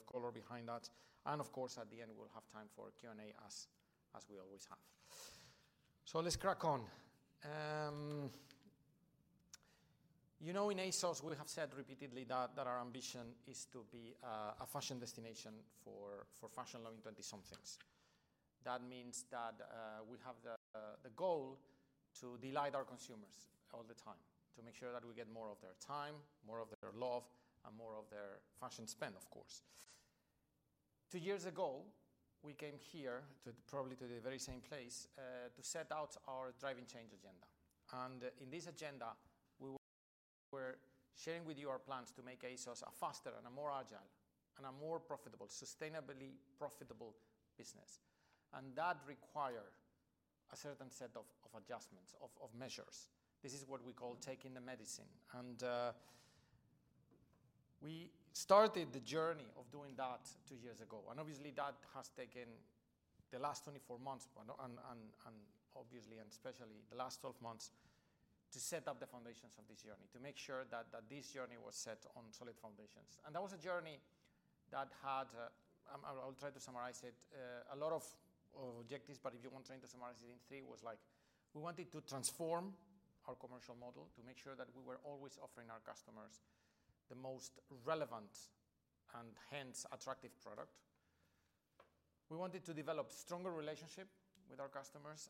Finally, a bit of color behind that. And of course, at the end, we'll have time for Q&A, as we always have. So let's crack on. You know, in ASOS, we have said repeatedly that our ambition is to be a fashion destination for fashion-loving 20-somethings. That means that we have the goal to delight our consumers all the time, to make sure that we get more of their time, more of their love, and more of their fashion spend, of course. Two years ago, we came here to, probably to the very same place, to set out our Driving Change agenda. And in this agenda, we were sharing with you our plans to make ASOS a faster and a more agile and a more profitable, sustainably profitable business. And that required a certain set of adjustments, of measures. This is what we call taking the medicine, and we started the journey of doing that two years ago. Obviously, that has taken the last 24 months, but especially the last 12 months to set up the foundations of this journey, to make sure that this journey was set on solid foundations. That was a journey that had. I'll try to summarize it. A lot of objectives, but if you want me to summarize it in three, was like we wanted to transform our commercial model to make sure that we were always offering our customers the most relevant and hence attractive product. We wanted to develop stronger relationships with our customers,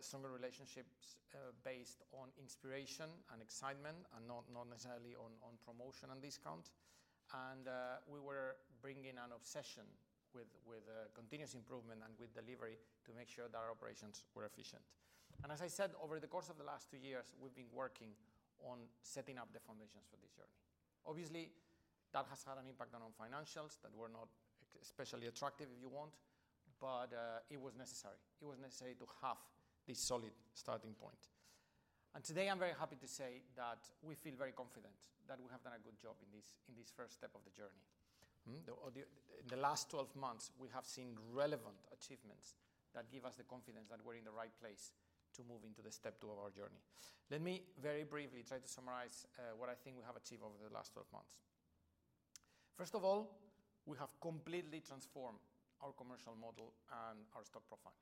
stronger relationships based on inspiration and excitement and not necessarily on promotion and discount. We were bringing an obsession with continuous improvement and with delivery to make sure that our operations were efficient. As I said, over the course of the last two years, we've been working on setting up the foundations for this journey. Obviously, that has had an impact on our financials that were not especially attractive, if you want, but it was necessary. It was necessary to have this solid starting point. Today, I'm very happy to say that we feel very confident that we have done a good job in this first step of the journey. In the last 12 months, we have seen relevant achievements that give us the confidence that we're in the right place to move into step two of our journey. Let me very briefly try to summarize what I think we have achieved over the last 12 months. First of all, we have completely transformed our commercial model and our stock profile.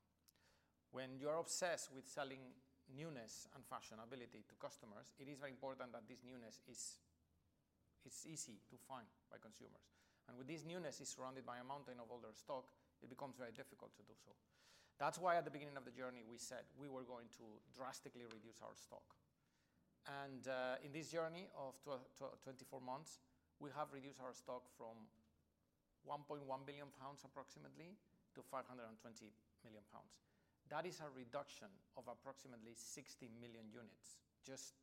When you are obsessed with selling newness and fashionability to customers, it is very important that this newness is easy to find by consumers. And with this newness, it's surrounded by a mountain of older stock. It becomes very difficult to do so. That's why, at the beginning of the journey, we said we were going to drastically reduce our stock. And in this journey of 24 months, we have reduced our stock from approximately 1.1 billion pounds to 520 million pounds. That is a reduction of approximately 60 million units. Just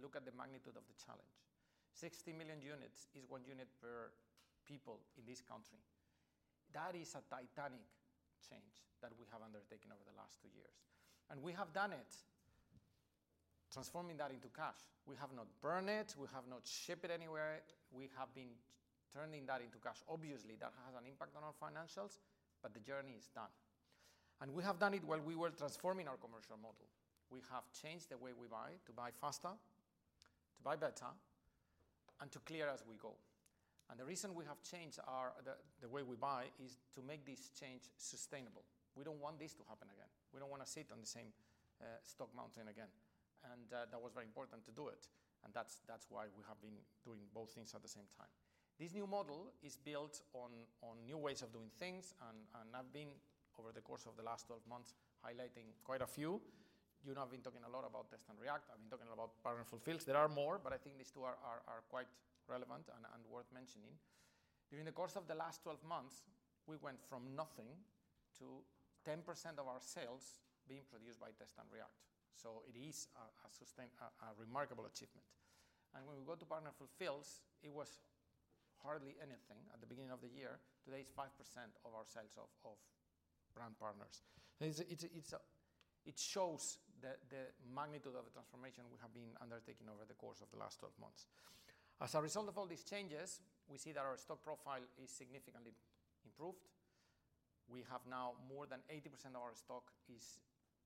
look at the magnitude of the challenge. 60 million units is one unit per person in this country. That is a titanic change that we have undertaken over the last two years. And we have done it, transforming that into cash. We have not burned it. We have not shipped it anywhere. We have been turning that into cash. Obviously, that has an impact on our financials, but the journey is done. And we have done it while we were transforming our commercial model. We have changed the way we buy to buy faster, to buy better, and to clear as we go. And the reason we have changed the way we buy is to make this change sustainable. We don't want this to happen again. We don't wanna sit on the same stock mountain again. And that was very important to do it. And that's why we have been doing both things at the same time. This new model is built on new ways of doing things, and I've been over the course of the last 12 months highlighting quite a few. You know, I've been talking a lot about Test and React. I've been talking about Partner Fulfils. There are more, but I think these two are quite relevant and worth mentioning. During the course of the last 12 months, we went from nothing to 10% of our sales being produced by Test and React, so it is a sustained remarkable achievement. When we go to Partner Fulfils, it was hardly anything at the beginning of the year. Today, it's 5% of our sales of brand partners. It shows the magnitude of the transformation we have been undertaking over the course of the last 12 months. As a result of all these changes, we see that our stock profile is significantly improved. We have now more than 80% of our stock is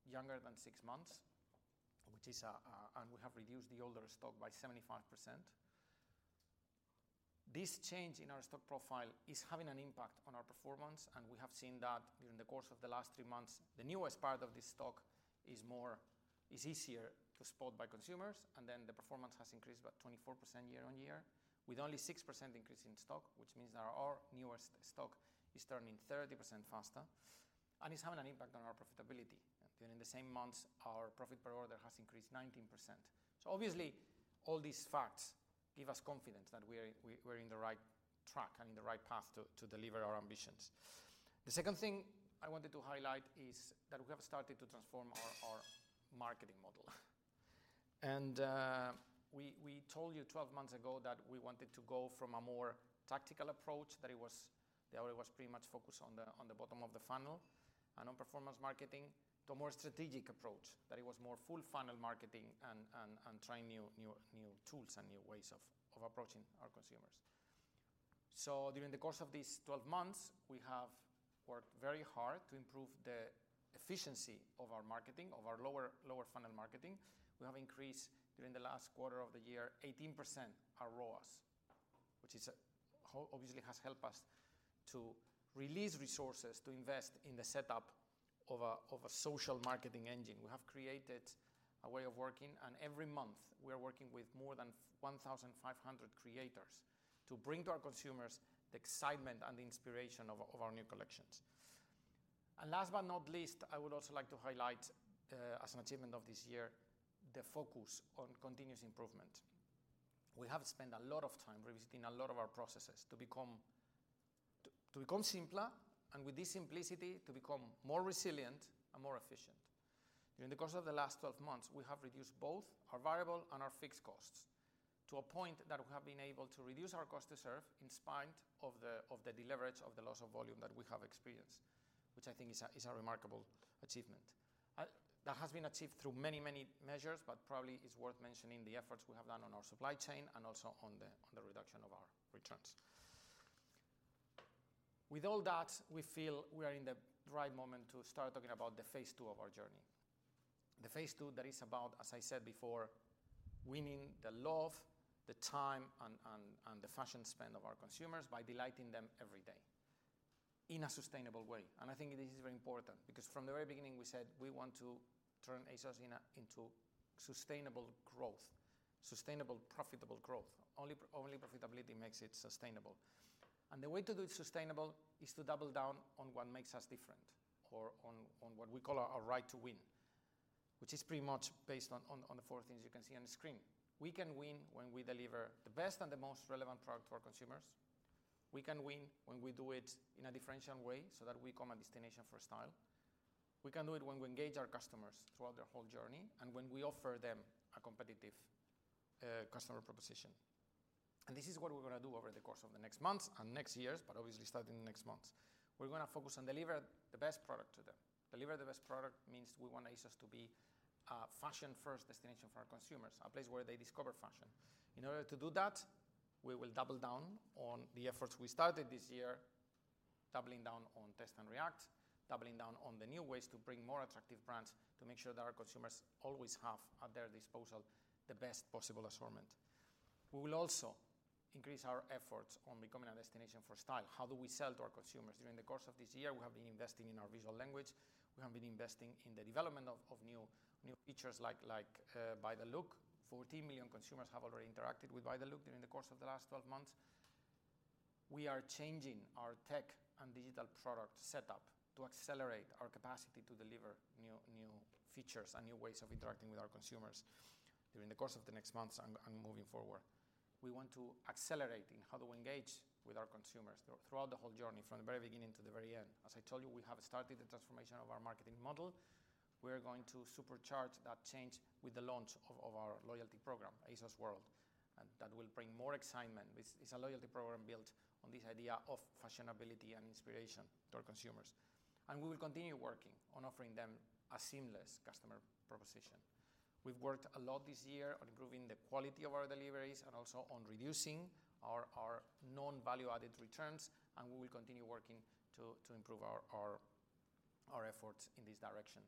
younger than six months, which is, and we have reduced the older stock by 75%. This change in our stock profile is having an impact on our performance, and we have seen that during the course of the last three months, the newest part of this stock is more, is easier to spot by consumers, and then the performance has increased by 24% year-on-year, with only 6% increase in stock, which means that our newest stock is turning 30% faster, and it's having an impact on our profitability, and during the same months, our profit per order has increased 19%. So obviously, all these facts give us confidence that we're in the right track and in the right path to deliver our ambitions. The second thing I wanted to highlight is that we have started to transform our marketing model. We told you 12 months ago that we wanted to go from a more tactical approach that it was pretty much focused on the bottom of the funnel and on performance marketing, to a more strategic approach that it was more full-funnel marketing and trying new tools and new ways of approaching our consumers. So during the course of these 12 months, we have worked very hard to improve the efficiency of our marketing of our lower-funnel marketing. We have increased during the last quarter of the year 18% our ROAS, which obviously has helped us to release resources to invest in the setup of a social marketing engine. We have created a way of working, and every month, we are working with more than 1,500 creators to bring to our consumers the excitement and the inspiration of our new collections, and last but not least, I would also like to highlight, as an achievement of this year, the focus on continuous improvement. We have spent a lot of time revisiting a lot of our processes to become simpler, and with this simplicity, to become more resilient and more efficient. During the course of the last 12 months, we have reduced both our variable and our fixed costs to a point that we have been able to reduce our cost to serve in spite of the deleverage of the loss of volume that we have experienced, which I think is a remarkable achievement. That has been achieved through many, many measures, but probably it's worth mentioning the efforts we have done on our supply chain and also on the reduction of our returns. With all that, we feel we are in the right moment to start talking about the phase two of our journey. The phase two that is about, as I said before, winning the love, the time, and the fashion spend of our consumers by delighting them every day in a sustainable way. I think this is very important because from the very beginning, we said we want to turn ASOS into sustainable growth, sustainable profitable growth. Only, only profitability makes it sustainable. And the way to do it sustainable is to double down on what makes us different or on what we call our right to win, which is pretty much based on the four things you can see on the screen. We can win when we deliver the best and the most relevant product to our consumers. We can win when we do it in a differential way so that we become a destination for style. We can do it when we engage our customers throughout their whole journey and when we offer them a competitive customer proposition. This is what we're gonna do over the course of the next months and next years, but obviously starting next month. We're gonna focus on delivering the best product to them. Delivering the best product means we want ASOS to be a fashion-first destination for our consumers, a place where they discover fashion. In order to do that, we will double down on the efforts we started this year, doubling down on Test and React, doubling down on the new ways to bring more attractive brands to make sure that our consumers always have at their disposal the best possible assortment. We will also increase our efforts on becoming a destination for style. How do we sell to our consumers? During the course of this year, we have been investing in our visual language. We have been investing in the development of new features like Buy the Look. 14 million consumers have already interacted with Buy the Look during the course of the last 12 months. We are changing our tech and digital product setup to accelerate our capacity to deliver new features and new ways of interacting with our consumers during the course of the next months and moving forward. We want to accelerate in how do we engage with our consumers throughout the whole journey from the very beginning to the very end. As I told you, we have started the transformation of our marketing model. We are going to supercharge that change with the launch of our loyalty program, ASOS World, and that will bring more excitement. It's a loyalty program built on this idea of fashionability and inspiration to our consumers. We will continue working on offering them a seamless customer proposition. We've worked a lot this year on improving the quality of our deliveries and also on reducing our non-value-added returns. We will continue working to improve our efforts in this direction.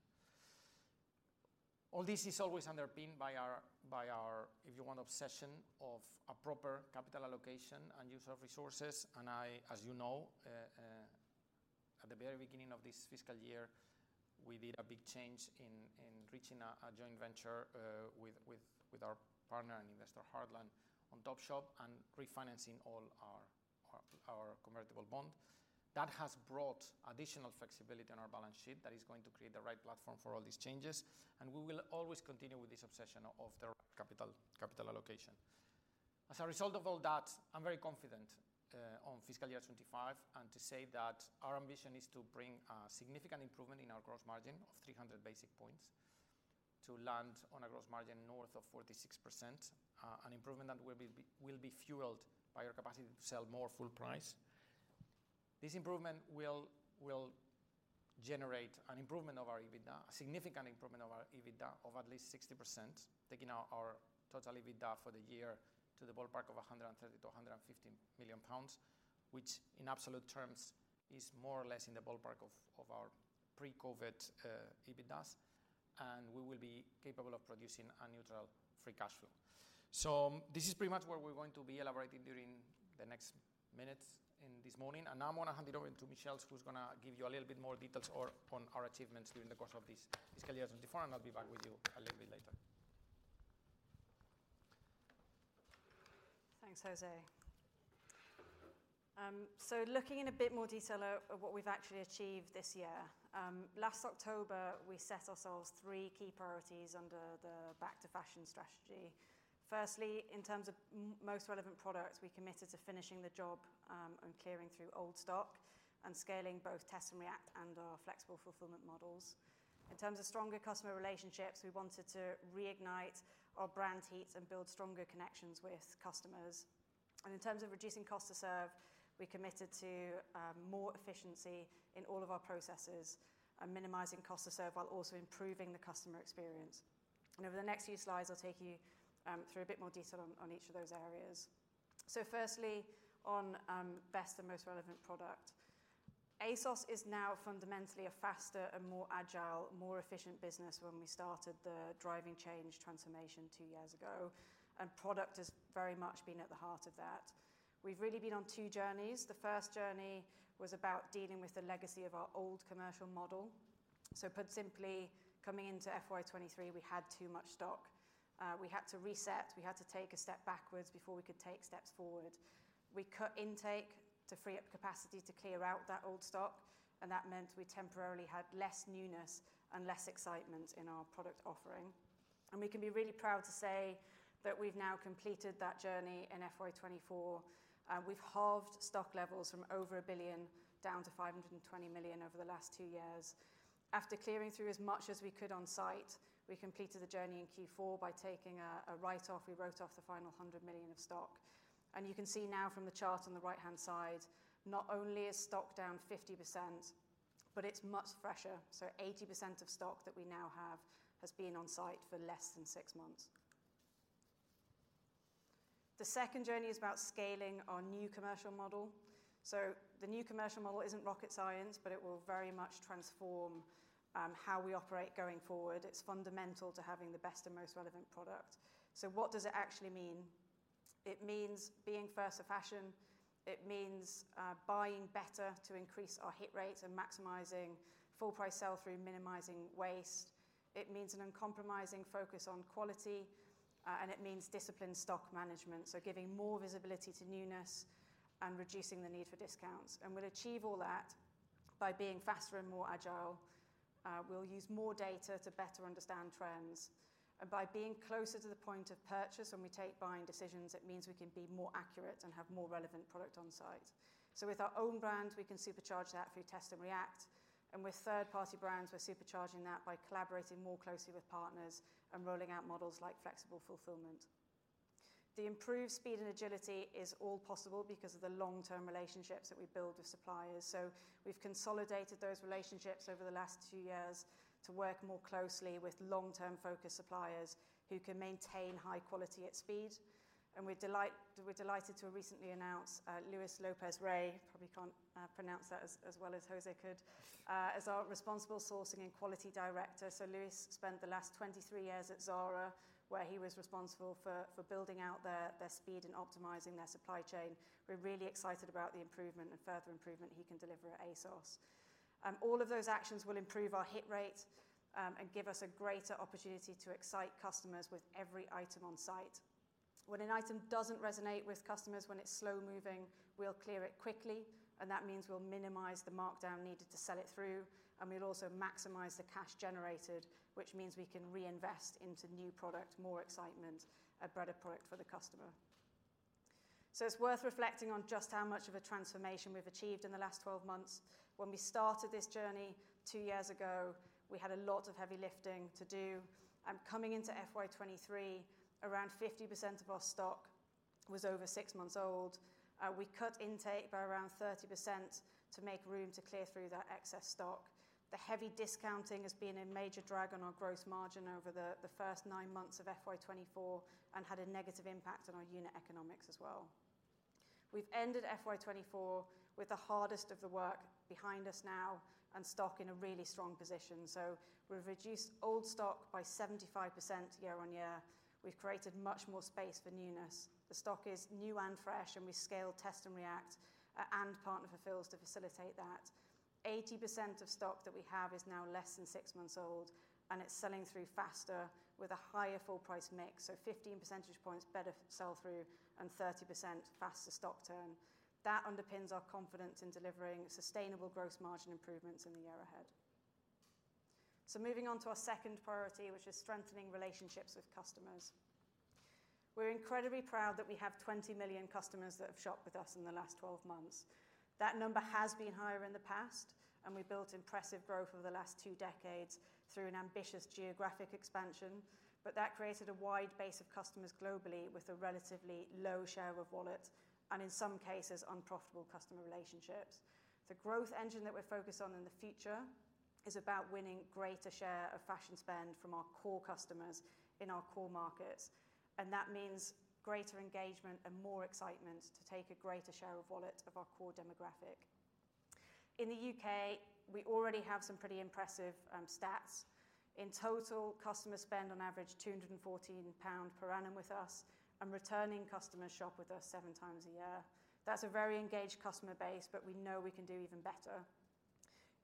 All this is always underpinned by our, if you want, obsession of a proper capital allocation and use of resources. I, as you know, at the very beginning of this fiscal year, we did a big change in reaching a joint venture with our partner and investor, Heartland, on Topshop and refinancing all our convertible bond. That has brought additional flexibility on our balance sheet that is going to create the right platform for all these changes. We will always continue with this obsession of the right capital allocation. As a result of all that, I'm very confident on fiscal year 2025 to say that our ambition is to bring a significant improvement in our gross margin of 300 basis points to land on a gross margin north of 46%, an improvement that will be fueled by our capacity to sell more full price. This improvement will generate an improvement of our EBITDA, a significant improvement of our EBITDA of at least 60%, taking our total EBITDA for the year to the ballpark of 130-150 million pounds, which in absolute terms is more or less in the ballpark of our pre-COVID EBITDAs. We will be capable of producing a neutral free cash flow. This is pretty much what we're going to be elaborating during the next minutes in this morning. Now I'm gonna hand it over to Michelle, who's gonna give you a little bit more details on our achievements during the course of this calendar 2024, and I'll be back with you a little bit later. Thanks, José. So looking in a bit more detail of what we've actually achieved this year, last October, we set ourselves three key priorities under the Back to Fashion strategy. Firstly, in terms of most relevant products, we committed to finishing the job, and clearing through old stock and scaling both Test and React and our flexible fulfillment models. In terms of stronger customer relationships, we wanted to reignite our brand heat and build stronger connections with customers. And in terms of reducing cost to serve, we committed to more efficiency in all of our processes and minimizing cost to serve while also improving the customer experience. And over the next few slides, I'll take you through a bit more detail on each of those areas. So, firstly, on best and most relevant product, ASOS is now fundamentally a faster and more agile, more efficient business. When we started the Driving Change transformation two years ago, product has very much been at the heart of that. We've really been on two journeys. The first journey was about dealing with the legacy of our old commercial model. So, put simply, coming into FY 2023, we had too much stock. We had to reset. We had to take a step backwards before we could take steps forward. We cut intake to free up capacity to clear out that old stock, and that meant we temporarily had less newness and less excitement in our product offering. We can be really proud to say that we've now completed that journey in FY 2024. We've halved stock levels from over 1 billion down to 520 million over the last two years. After clearing through as much as we could on site, we completed the journey in Q4 by taking a write-off. We wrote off the final 100 million of stock. And you can see now from the chart on the right-hand side, not only is stock down 50%, but it's much fresher. So 80% of stock that we now have has been on site for less than six months. The second journey is about scaling our new commercial model. So the new commercial model isn't rocket science, but it will very much transform how we operate going forward. It's fundamental to having the best and most relevant product. So what does it actually mean? It means being first to fashion. It means buying better to increase our hit rates and maximizing full price sell through minimizing waste. It means an uncompromising focus on quality. And it means disciplined stock management, so giving more visibility to newness and reducing the need for discounts. And we'll achieve all that by being faster and more agile. We'll use more data to better understand trends. And by being closer to the point of purchase when we take buying decisions, it means we can be more accurate and have more relevant product on site. So with our own brand, we can supercharge that through Test and React. And with third-party brands, we're supercharging that by collaborating more closely with partners and rolling out models like flexible fulfillment. The improved speed and agility is all possible because of the long-term relationships that we build with suppliers. So we've consolidated those relationships over the last two years to work more closely with long-term-focused suppliers who can maintain high quality at speed. And we're delighted to recently announce Luis López-Rey, probably can't pronounce that as well as José could, as our responsible sourcing and quality director. So Luis spent the last 23 years at Zara, where he was responsible for building out their speed and optimizing their supply chain. We're really excited about the improvement and further improvement he can deliver at ASOS. All of those actions will improve our hit rate, and give us a greater opportunity to excite customers with every item on site. When an item doesn't resonate with customers, when it's slow-moving, we'll clear it quickly. And that means we'll minimize the markdown needed to sell it through. And we'll also maximize the cash generated, which means we can reinvest into new product, more excitement, a better product for the customer. So it's worth reflecting on just how much of a transformation we've achieved in the last 12 months. When we started this journey two years ago, we had a lot of heavy lifting to do. Coming into FY 2023, around 50% of our stock was over six months old. We cut intake by around 30% to make room to clear through that excess stock. The heavy discounting has been a major drag on our gross margin over the first nine months of FY 2024 and had a negative impact on our unit economics as well. We've ended FY 2024 with the hardest of the work behind us now and stock in a really strong position. So we've reduced old stock by 75% year-on-year. We've created much more space for newness. The stock is new and fresh, and we scaled Test and React, and Partner Fulfils to facilitate that. 80% of stock that we have is now less than six months old, and it's selling through faster with a higher full price mix. So 15 percentage points better sell through and 30% faster stock turn. That underpins our confidence in delivering sustainable gross margin improvements in the year ahead. So moving on to our second priority, which is strengthening relationships with customers. We're incredibly proud that we have 20 million customers that have shopped with us in the last 12 months. That number has been higher in the past, and we built impressive growth over the last two decades through an ambitious geographic expansion. But that created a wide base of customers globally with a relatively low share of wallet and, in some cases, unprofitable customer relationships. The growth engine that we're focused on in the future is about winning greater share of fashion spend from our core customers in our core markets. And that means greater engagement and more excitement to take a greater share of wallet of our core demographic. In the U.K., we already have some pretty impressive stats. In total, customers spend on average 214 pound per annum with us, and returning customers shop with us seven times a year. That's a very engaged customer base, but we know we can do even better.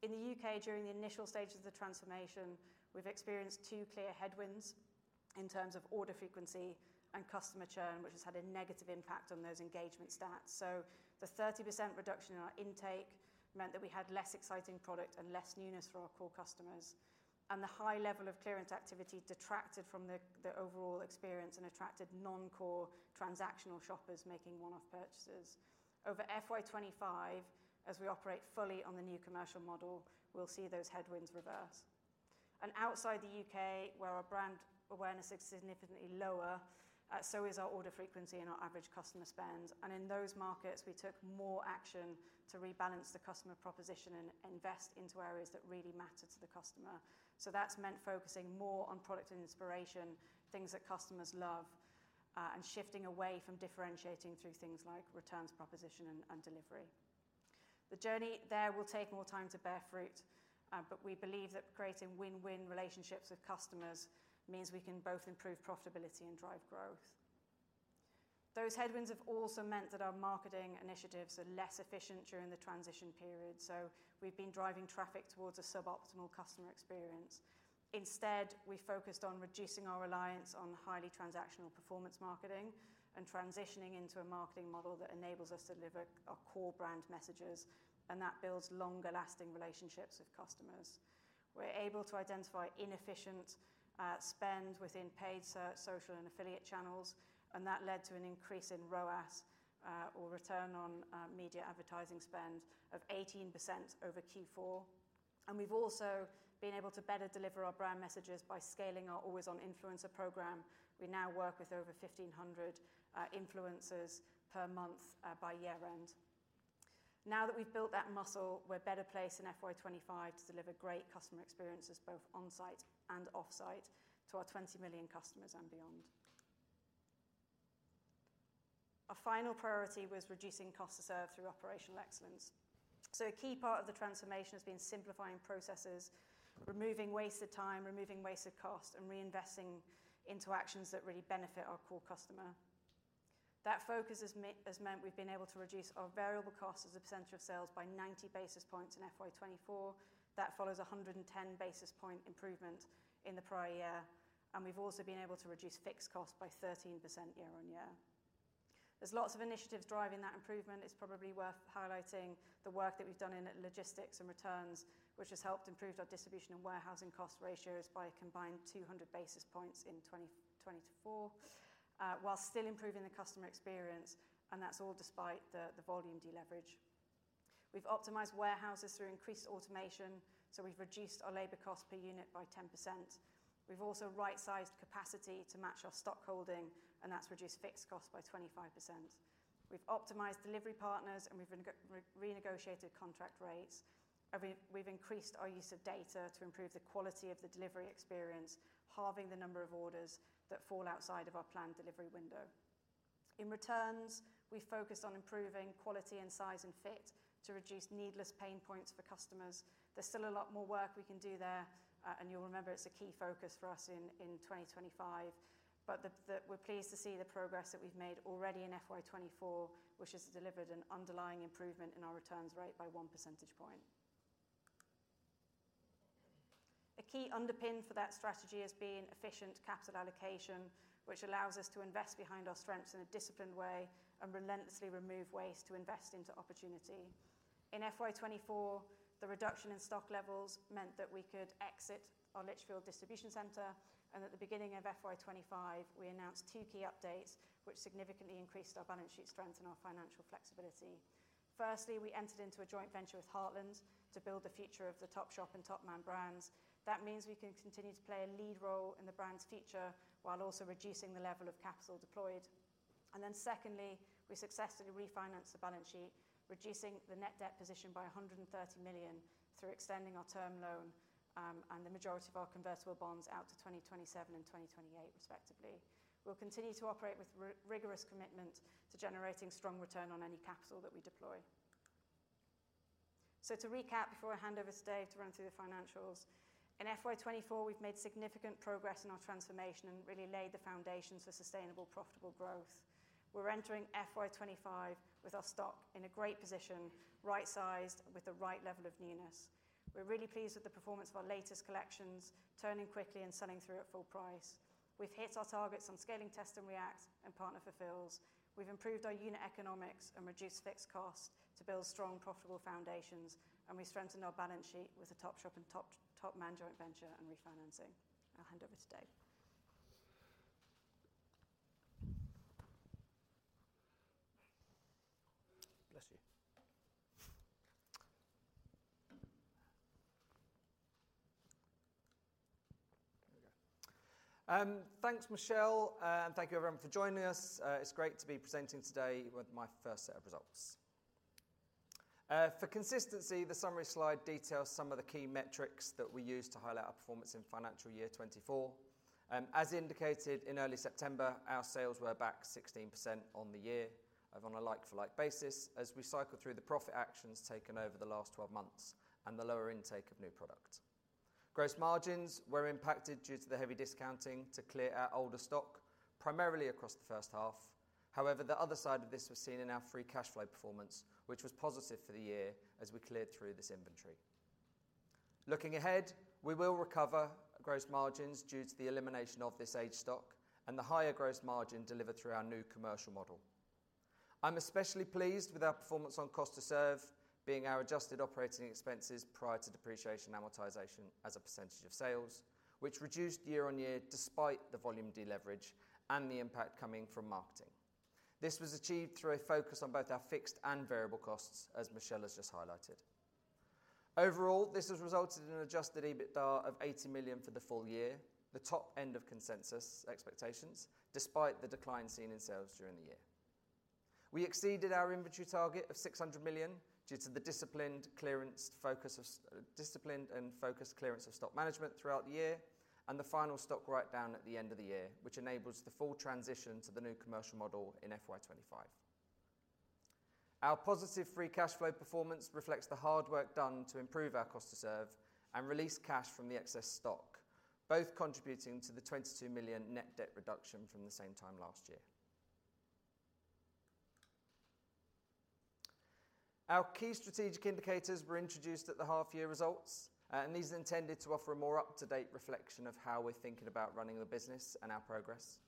In the U.K., during the initial stages of the transformation, we've experienced two clear headwinds in terms of order frequency and customer churn, which has had a negative impact on those engagement stats. So the 30% reduction in our intake meant that we had less exciting product and less newness for our core customers. And the high level of clearance activity detracted from the overall experience and attracted non-core transactional shoppers making one-off purchases. Over FY 2025, as we operate fully on the new commercial model, we'll see those headwinds reverse. And outside the U.K., where our brand awareness is significantly lower, so is our order frequency and our average customer spend. And in those markets, we took more action to rebalance the customer proposition and invest into areas that really matter to the customer. So that's meant focusing more on product and inspiration, things that customers love, and shifting away from differentiating through things like returns proposition and delivery. The journey there will take more time to bear fruit, but we believe that creating win-win relationships with customers means we can both improve profitability and drive growth. Those headwinds have also meant that our marketing initiatives are less efficient during the transition period. So we've been driving traffic towards a suboptimal customer experience. Instead, we focused on reducing our reliance on highly transactional performance marketing and transitioning into a marketing model that enables us to deliver our core brand messages. And that builds longer-lasting relationships with customers. We're able to identify inefficient spend within paid search, social, and affiliate channels. And that led to an increase in ROAS, or return on ad spend of 18% over Q4. And we've also been able to better deliver our brand messages by scaling our always-on influencer program. We now work with over 1,500 influencers per month by year-end. Now that we've built that muscle, we're better placed in FY 2025 to deliver great customer experiences both onsite and offsite to our 20 million customers and beyond. Our final priority was reducing cost to serve through operational excellence. So a key part of the transformation has been simplifying processes, removing wasted time, removing wasted cost, and reinvesting into actions that really benefit our core customer. That focus has meant we've been able to reduce our variable cost as a percentage of sales by 90 basis points in FY 2024. That follows a 110 basis point improvement in the prior year. And we've also been able to reduce fixed cost by 13% year-on-year. There's lots of initiatives driving that improvement. It's probably worth highlighting the work that we've done in logistics and returns, which has helped improve our distribution and warehousing cost ratios by a combined 200 basis points in 2024, while still improving the customer experience. And that's all despite the volume deleverage. We've optimized warehouses through increased automation. So we've reduced our labor cost per unit by 10%. We've also right-sized capacity to match our stock holding, and that's reduced fixed cost by 25%. We've optimized delivery partners, and we've renegotiated contract rates. We've increased our use of data to improve the quality of the delivery experience, halving the number of orders that fall outside of our planned delivery window. In returns, we focus on improving quality and size and fit to reduce needless pain points for customers. There's still a lot more work we can do there. And you'll remember it's a key focus for us in 2025. But we're pleased to see the progress that we've made already in FY 2024, which has delivered an underlying improvement in our returns rate by one percentage point. A key underpin for that strategy has been efficient capital allocation, which allows us to invest behind our strengths in a disciplined way and relentlessly remove waste to invest into opportunity. In FY 2024, the reduction in stock levels meant that we could exit our Lichfield Distribution Centre. And at the beginning of FY 2025, we announced two key updates, which significantly increased our balance sheet strength and our financial flexibility. Firstly, we entered into a joint venture with Heartland to build the future of the Topshop and Topman brands. That means we can continue to play a lead role in the brand's future while also reducing the level of capital deployed. And then secondly, we successfully refinanced the balance sheet, reducing the net debt position by 130 million through extending our term loan, and the majority of our convertible bonds out to 2027 and 2028, respectively. We'll continue to operate with rigorous commitment to generating strong return on any capital that we deploy. So to recap before I hand over to Dave to run through the financials, in FY '24, we've made significant progress in our transformation and really laid the foundation for sustainable, profitable growth. We're entering FY '25 with our stock in a great position, right-sized with the right level of newness. We're really pleased with the performance of our latest collections, turning quickly and selling through at full price. We've hit our targets on scaling Test and React and Partner Fulfils. We've improved our unit economics and reduced fixed cost to build strong, profitable foundations. We've strengthened our balance sheet with a Topshop and Topman joint venture and refinancing. I'll hand over to Dave. Bless you. There we go. Thanks, Michelle, and thank you, everyone, for joining us. It's great to be presenting today with my first set of results. For consistency, the summary slide details some of the key metrics that we use to highlight our performance in financial year 2024. As indicated in early September, our sales were back 16% on the year on a like-for-like basis as we cycled through the profit actions taken over the last 12 months and the lower intake of new product. Gross margins were impacted due to the heavy discounting to clear our older stock, primarily across the first half. However, the other side of this was seen in our free cash flow performance, which was positive for the year as we cleared through this inventory. Looking ahead, we will recover gross margins due to the elimination of this aged stock and the higher gross margin delivered through our new commercial model. I'm especially pleased with our performance on cost to serve, being our adjusted operating expenses prior to depreciation amortization as a percentage of sales, which reduced year-on-year despite the volume deleverage and the impact coming from marketing. This was achieved through a focus on both our fixed and variable costs, as Michelle has just highlighted. Overall, this has resulted in an Adjusted EBITDA of 80 million for the full year, the top end of consensus expectations, despite the decline seen in sales during the year. We exceeded our inventory target of 600 million due to the disciplined and focused clearance of stock management throughout the year and the final stock write-down at the end of the year, which enables the full transition to the new commercial model in FY 2025. Our positive Free Cash Flow performance reflects the hard work done to improve our Cost to Serve and release cash from the excess stock, both contributing to the 22 million net debt reduction from the same time last year. Our key strategic indicators were introduced at the half-year results, and these are intended to offer a more up-to-date reflection of how we're thinking about running the business and our progress.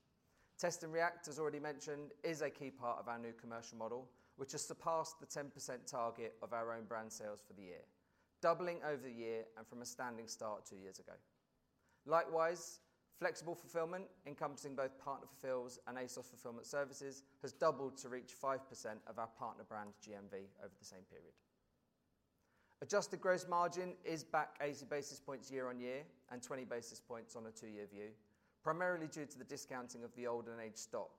Test and React, as already mentioned, is a key part of our new commercial model, which has surpassed the 10% target of our own brand sales for the year, doubling over the year and from a standing start two years ago. Likewise, flexible fulfillment encompassing both Partner Fulfils and ASOS Fulfilment Services has doubled to reach 5% of our partner brand GMV over the same period. Adjusted gross margin is back 80 basis points year-on-year and 20 basis points on a two-year view, primarily due to the discounting of the old and age stock,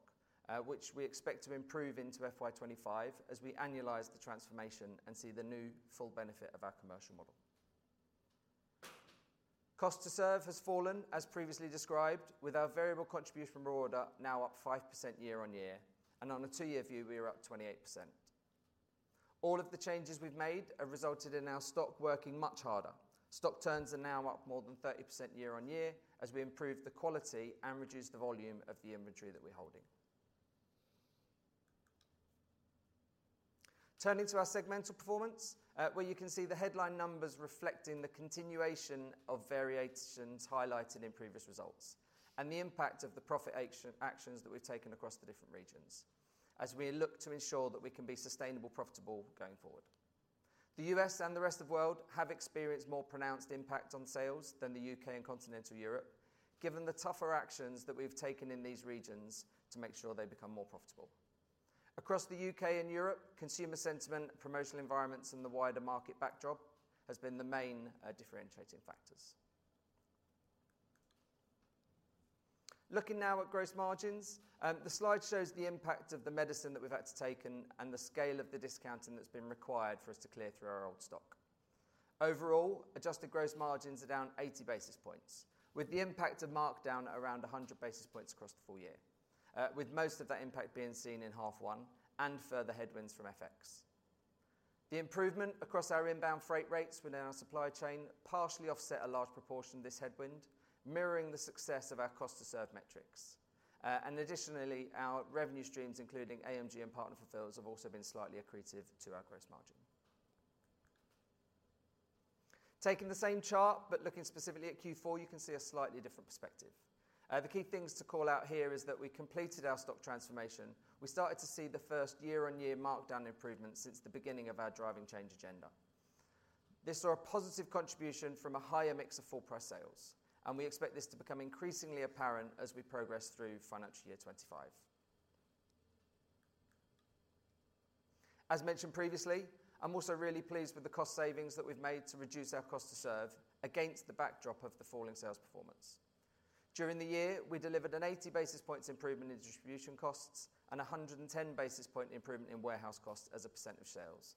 which we expect to improve into FY 2025 as we annualize the transformation and see the new full benefit of our commercial model. Cost to serve has fallen, as previously described, with our variable contribution per order now up 5% year-on-year. And on a two-year view, we are up 28%. All of the changes we've made have resulted in our stock working much harder. Stock turns are now up more than 30% year-on-year as we improve the quality and reduce the volume of the inventory that we're holding. Turning to our segmental performance, where you can see the headline numbers reflecting the continuation of variations highlighted in previous results and the impact of the profit actions that we've taken across the different regions as we look to ensure that we can be sustainably profitable going forward. The U.S. and the rest of the world have experienced more pronounced impact on sales than the U.K. and continental Europe, given the tougher actions that we've taken in these regions to make sure they become more profitable. Across the U.K. and Europe, consumer sentiment, promotional environments, and the wider market backdrop have been the main, differentiating factors. Looking now at gross margins, the slide shows the impact of the medicine that we've had to take and the scale of the discounting that's been required for us to clear through our old stock. Overall, adjusted gross margins are down 80 basis points, with the impact of markdown around 100 basis points across the full year, with most of that impact being seen in half one and further headwinds from FX. The improvement across our inbound freight rates within our supply chain partially offset a large proportion of this headwind, mirroring the success of our Cost to Serve metrics, and additionally, our revenue streams, including AMG and Partner Fulfils, have also been slightly accretive to our gross margin. Taking the same chart, but looking specifically at Q4, you can see a slightly different perspective. The key things to call out here is that we completed our stock transformation. We started to see the first year-on-year markdown improvement since the beginning of our Driving Change agenda. This saw a positive contribution from a higher mix of full-price sales, and we expect this to become increasingly apparent as we progress through financial year 2025. As mentioned previously, I'm also really pleased with the cost savings that we've made to reduce our cost to serve against the backdrop of the falling sales performance. During the year, we delivered an 80 basis points improvement in distribution costs and 110 basis points improvement in warehouse costs as a percent of sales,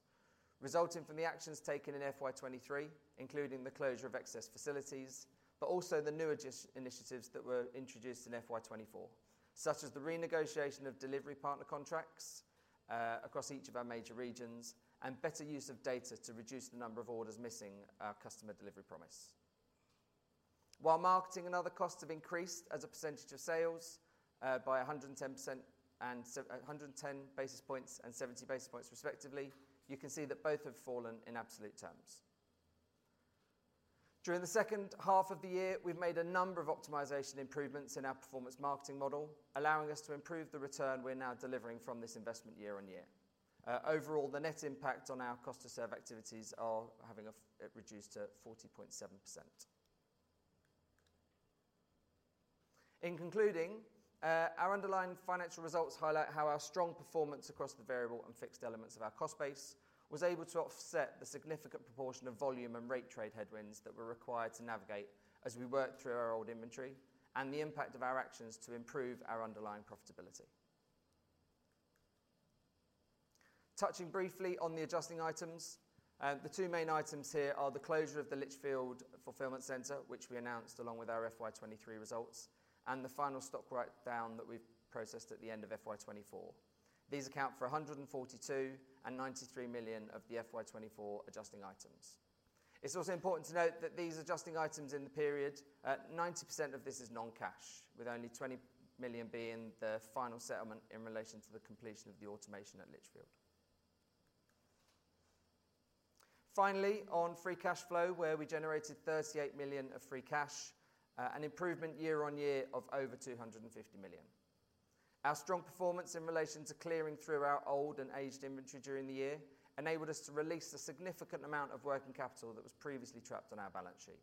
resulting from the actions taken in FY 2023, including the closure of excess facilities, but also the new initiatives that were introduced in FY 2024, such as the renegotiation of delivery partner contracts, across each of our major regions and better use of data to reduce the number of orders missing our customer delivery promise. While marketing and other costs have increased as a percentage of sales, by 110 basis points and 70 basis points, respectively, you can see that both have fallen in absolute terms. During the second half of the year, we've made a number of optimization improvements in our performance marketing model, allowing us to improve the return we're now delivering from this investment year-on-year. Overall, the net impact on our Cost to Serve activities is having a reduction to 40.7%. In concluding, our underlying financial results highlight how our strong performance across the variable and fixed elements of our cost base was able to offset the significant proportion of volume and rate trade headwinds that were required to navigate as we worked through our old inventory and the impact of our actions to improve our underlying profitability. Touching briefly on the adjusting items, the two main items here are the closure of the Lichfield Fulfilment Centre, which we announced along with our FY 2023 results, and the final stock write-down that we've processed at the end of FY 2024. These account for 142 million and 93 million of the FY 2024 adjusting items. It's also important to note that these adjusting items in the period, 90% of this is non-cash, with only 20 million being the final settlement in relation to the completion of the automation at Lichfield. Finally, on free cash flow, where we generated 38 million of free cash, an improvement year-on-year of over 250 million. Our strong performance in relation to clearing through our old and aged inventory during the year enabled us to release a significant amount of working capital that was previously trapped on our balance sheet.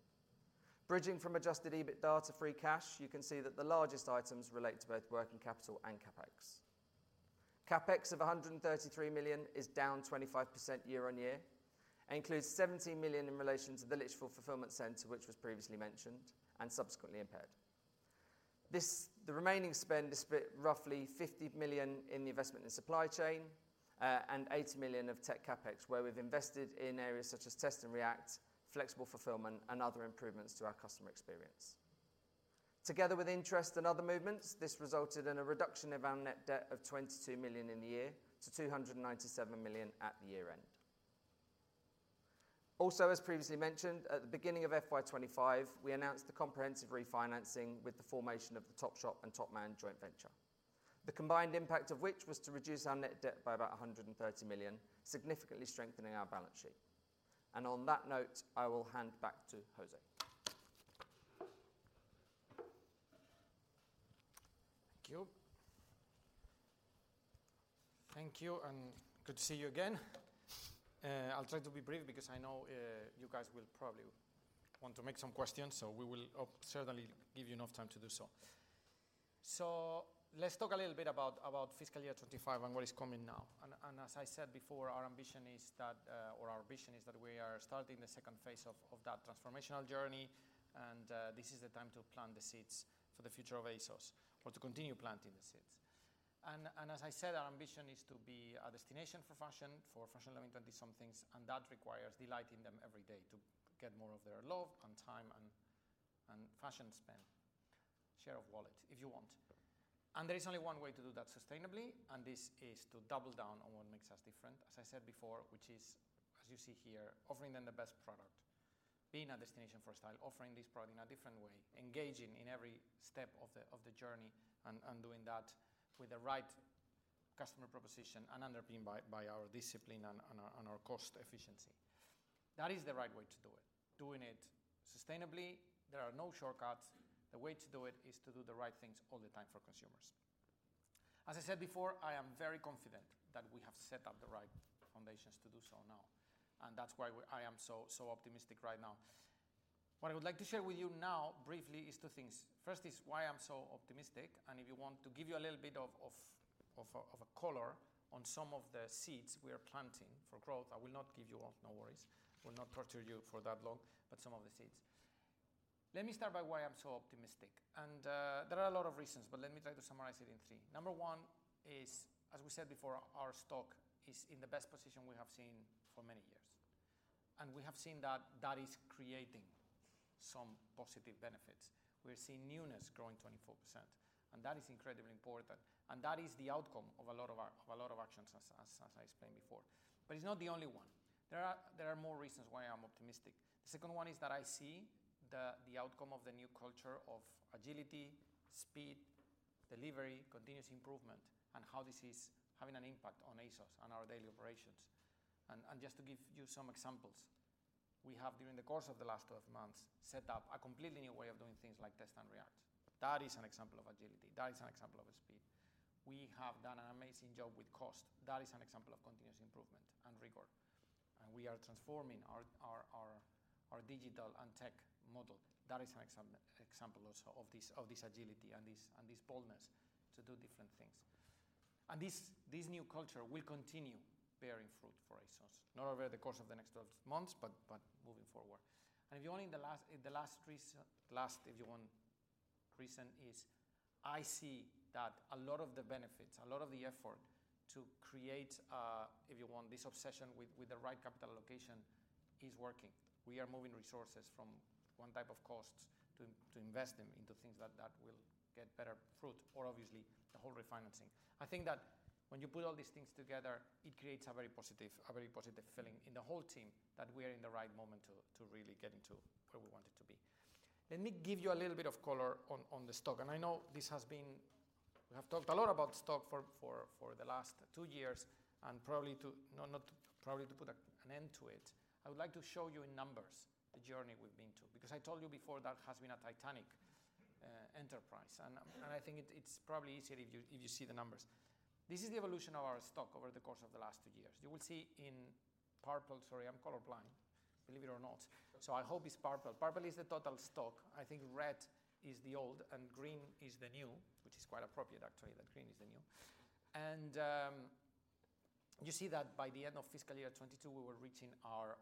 Bridging from Adjusted EBITDA to free cash, you can see that the largest items relate to both working capital and CapEx. CapEx of 133 million is down 25% year-on-year and includes 17 million in relation to the Lichfield Fulfilment Centre, which was previously mentioned and subsequently impaired. This remaining spend is roughly 50 million in the investment in supply chain, and 80 million of tech CapEx, where we've invested in areas such as Test and React, Flexible Fulfillment, and other improvements to our customer experience. Together with interest and other movements, this resulted in a reduction of our net debt of 22 million in the year to 297 million at the year end. Also, as previously mentioned, at the beginning of FY 2025, we announced the comprehensive refinancing with the formation of the Topshop and Topman joint venture, the combined impact of which was to reduce our net debt by about 130 million, significantly strengthening our balance sheet. And on that note, I will hand back to José. Thank you. Thank you. And good to see you again. I'll try to be brief because I know, you guys will probably want to make some questions, so we will certainly give you enough time to do so. So let's talk a little bit about fiscal year 2025 and what is coming now. And, and as I said before, our ambition is that, or our vision is that we are starting the second phase of, of that transformational journey. And, this is the time to plant the seeds for the future of ASOS or to continue planting the seeds. And, and as I said, our ambition is to be a destination for fashion, for fashion-loving 20-somethings, and that requires delighting them every day to get more of their love and time and, and fashion spend, share of wallet, if you want. There is only one way to do that sustainably, and this is to double down on what makes us different, as I said before, which is, as you see here, offering them the best product, being a destination for style, offering this product in a different way, engaging in every step of the journey, and doing that with the right customer proposition and underpinned by our discipline and our cost efficiency. That is the right way to do it. Doing it sustainably, there are no shortcuts. The way to do it is to do the right things all the time for consumers. As I said before, I am very confident that we have set up the right foundations to do so now. And that's why I am so, so optimistic right now. What I would like to share with you now briefly is two things. First is why I'm so optimistic. And if you want to give you a little bit of a color on some of the seeds we are planting for growth, I will not give you all, no worries. I will not torture you for that long, but some of the seeds. Let me start by why I'm so optimistic. And there are a lot of reasons, but let me try to summarize it in three. Number one is, as we said before, our stock is in the best position we have seen for many years. And we have seen that that is creating some positive benefits. We're seeing newness growing 24%. And that is incredibly important. That is the outcome of a lot of our actions, as I explained before. It's not the only one. There are more reasons why I'm optimistic. The second one is that I see the outcome of the new culture of agility, speed, delivery, continuous improvement, and how this is having an impact on ASOS and our daily operations. Just to give you some examples, we have during the course of the last 12 months set up a completely new way of doing things like Test and React. That is an example of agility. That is an example of speed. We have done an amazing job with cost. That is an example of continuous improvement and rigor. We are transforming our digital and tech model. That is an example also of this agility and this boldness to do different things. This new culture will continue bearing fruit for ASOS, not over the course of the next 12 months, but moving forward. If you want, in the last reason is I see that a lot of the benefits, a lot of the effort to create, if you want, this obsession with the right capital allocation is working. We are moving resources from one type of costs to invest them into things that will get better fruit or, obviously, the whole refinancing. I think that when you put all these things together, it creates a very positive, a very positive feeling in the whole team that we are in the right moment to really get into where we want it to be. Let me give you a little bit of color on the stock. And I know this has been; we have talked a lot about stock for the last two years. And probably to put an end to it, I would like to show you in numbers the journey we've been to, because I told you before that has been a titanic enterprise. And I think it's probably easier if you see the numbers. This is the evolution of our stock over the course of the last two years. You will see in purple, sorry, I'm colorblind, believe it or not. So I hope it's purple. Purple is the total stock. I think red is the old and green is the new, which is quite appropriate, actually, that green is the new. You see that by the end of fiscal year 2022, we were reaching our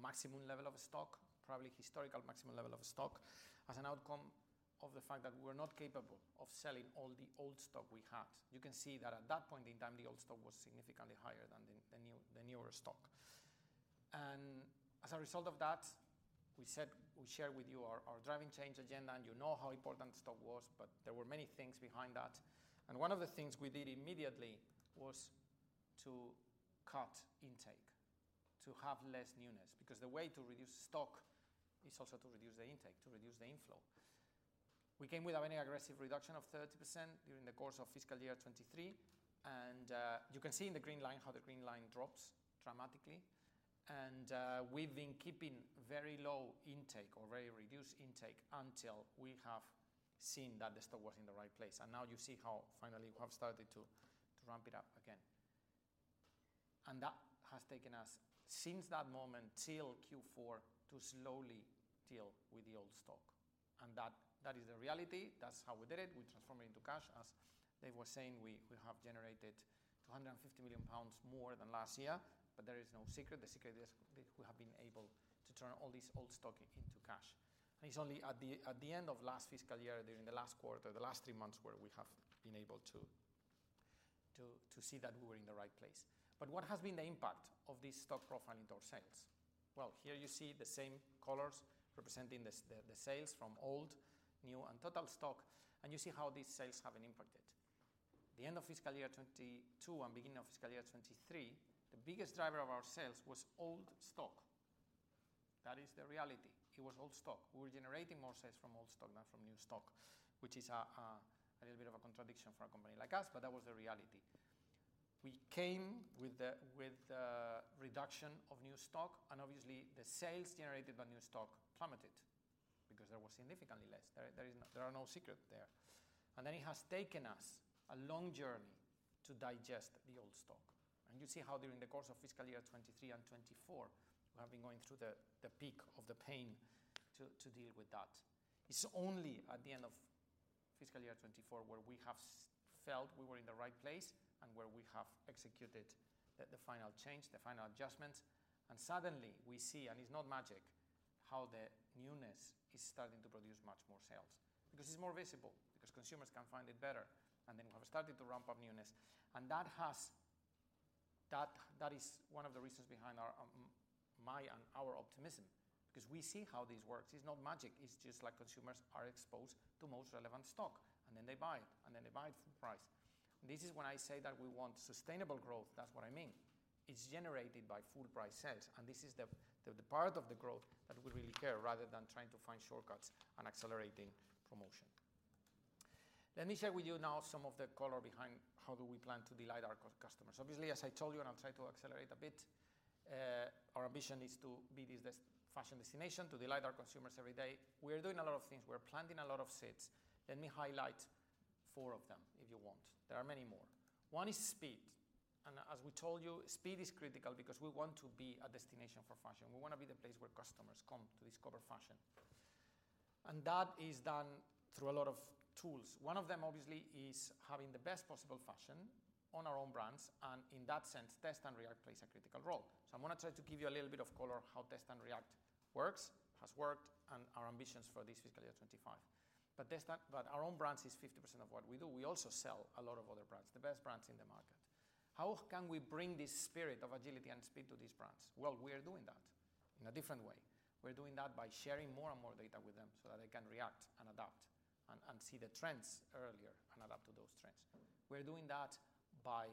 maximum level of stock, probably historical maximum level of stock, as an outcome of the fact that we were not capable of selling all the old stock we had. You can see that at that point in time, the old stock was significantly higher than the newer stock. As a result of that, we said, we shared with you our Driving Change agenda, and you know how important stock was, but there were many things behind that. One of the things we did immediately was to cut intake, to have less newness, because the way to reduce stock is also to reduce the intake, to reduce the inflow. We came with a very aggressive reduction of 30% during the course of fiscal year 2023. You can see in the green line how the green line drops dramatically. We've been keeping very low intake or very reduced intake until we have seen that the stock was in the right place. Now you see how finally we have started to ramp it up again. That has taken us since that moment till Q4 to slowly deal with the old stock. That is the reality. That's how we did it. We transformed it into cash. As Dave was saying, we have generated 250 million pounds more than last year. But there is no secret. The secret is that we have been able to turn all this old stock into cash. And it's only at the end of last fiscal year, during the last quarter, the last three months where we have been able to see that we were in the right place. But what has been the impact of this stock profile into our sales? Well, here you see the same colors representing the sales from old, new, and total stock. And you see how these sales have been impacted. The end of fiscal year 2022 and beginning of fiscal year 2023, the biggest driver of our sales was old stock. That is the reality. It was old stock. We were generating more sales from old stock than from new stock, which is a little bit of a contradiction for a company like us, but that was the reality. We came with the reduction of new stock, and obviously the sales generated by new stock plummeted because there was significantly less. There is no secret there. And then it has taken us a long journey to digest the old stock. And you see how during the course of fiscal year 2023 and 2024, we have been going through the peak of the pain to deal with that. It's only at the end of fiscal year 2024 where we have felt we were in the right place and where we have executed the final change, the final adjustments. Suddenly we see, and it's not magic, how the newness is starting to produce much more sales because it's more visible, because consumers can find it better. Then we have started to ramp up newness. And that has, that is one of the reasons behind our, my and our optimism, because we see how this works. It's not magic. It's just like consumers are exposed to most relevant stock, and then they buy it, and then they buy it full price. And this is when I say that we want sustainable growth. That's what I mean. It's generated by full price sales. And this is the part of the growth that we really care rather than trying to find shortcuts and accelerating promotion. Let me share with you now some of the color behind how do we plan to delight our customers. Obviously, as I told you, and I'll try to accelerate a bit, our ambition is to be this best fashion destination to delight our consumers every day. We are doing a lot of things. We are planting a lot of seeds. Let me highlight four of them if you want. There are many more. One is speed. And as we told you, speed is critical because we want to be a destination for fashion. We want to be the place where customers come to discover fashion. And that is done through a lot of tools. One of them, obviously, is having the best possible fashion on our own brands. And in that sense, Test and React plays a critical role. So I'm going to try to give you a little bit of color how Test and React works, has worked, and our ambitions for this fiscal year 2025. Test and React, but our own brands is 50% of what we do. We also sell a lot of other brands, the best brands in the market. How can we bring this spirit of agility and speed to these brands? We are doing that in a different way. We're doing that by sharing more and more data with them so that they can react and adapt and see the trends earlier and adapt to those trends. We're doing that by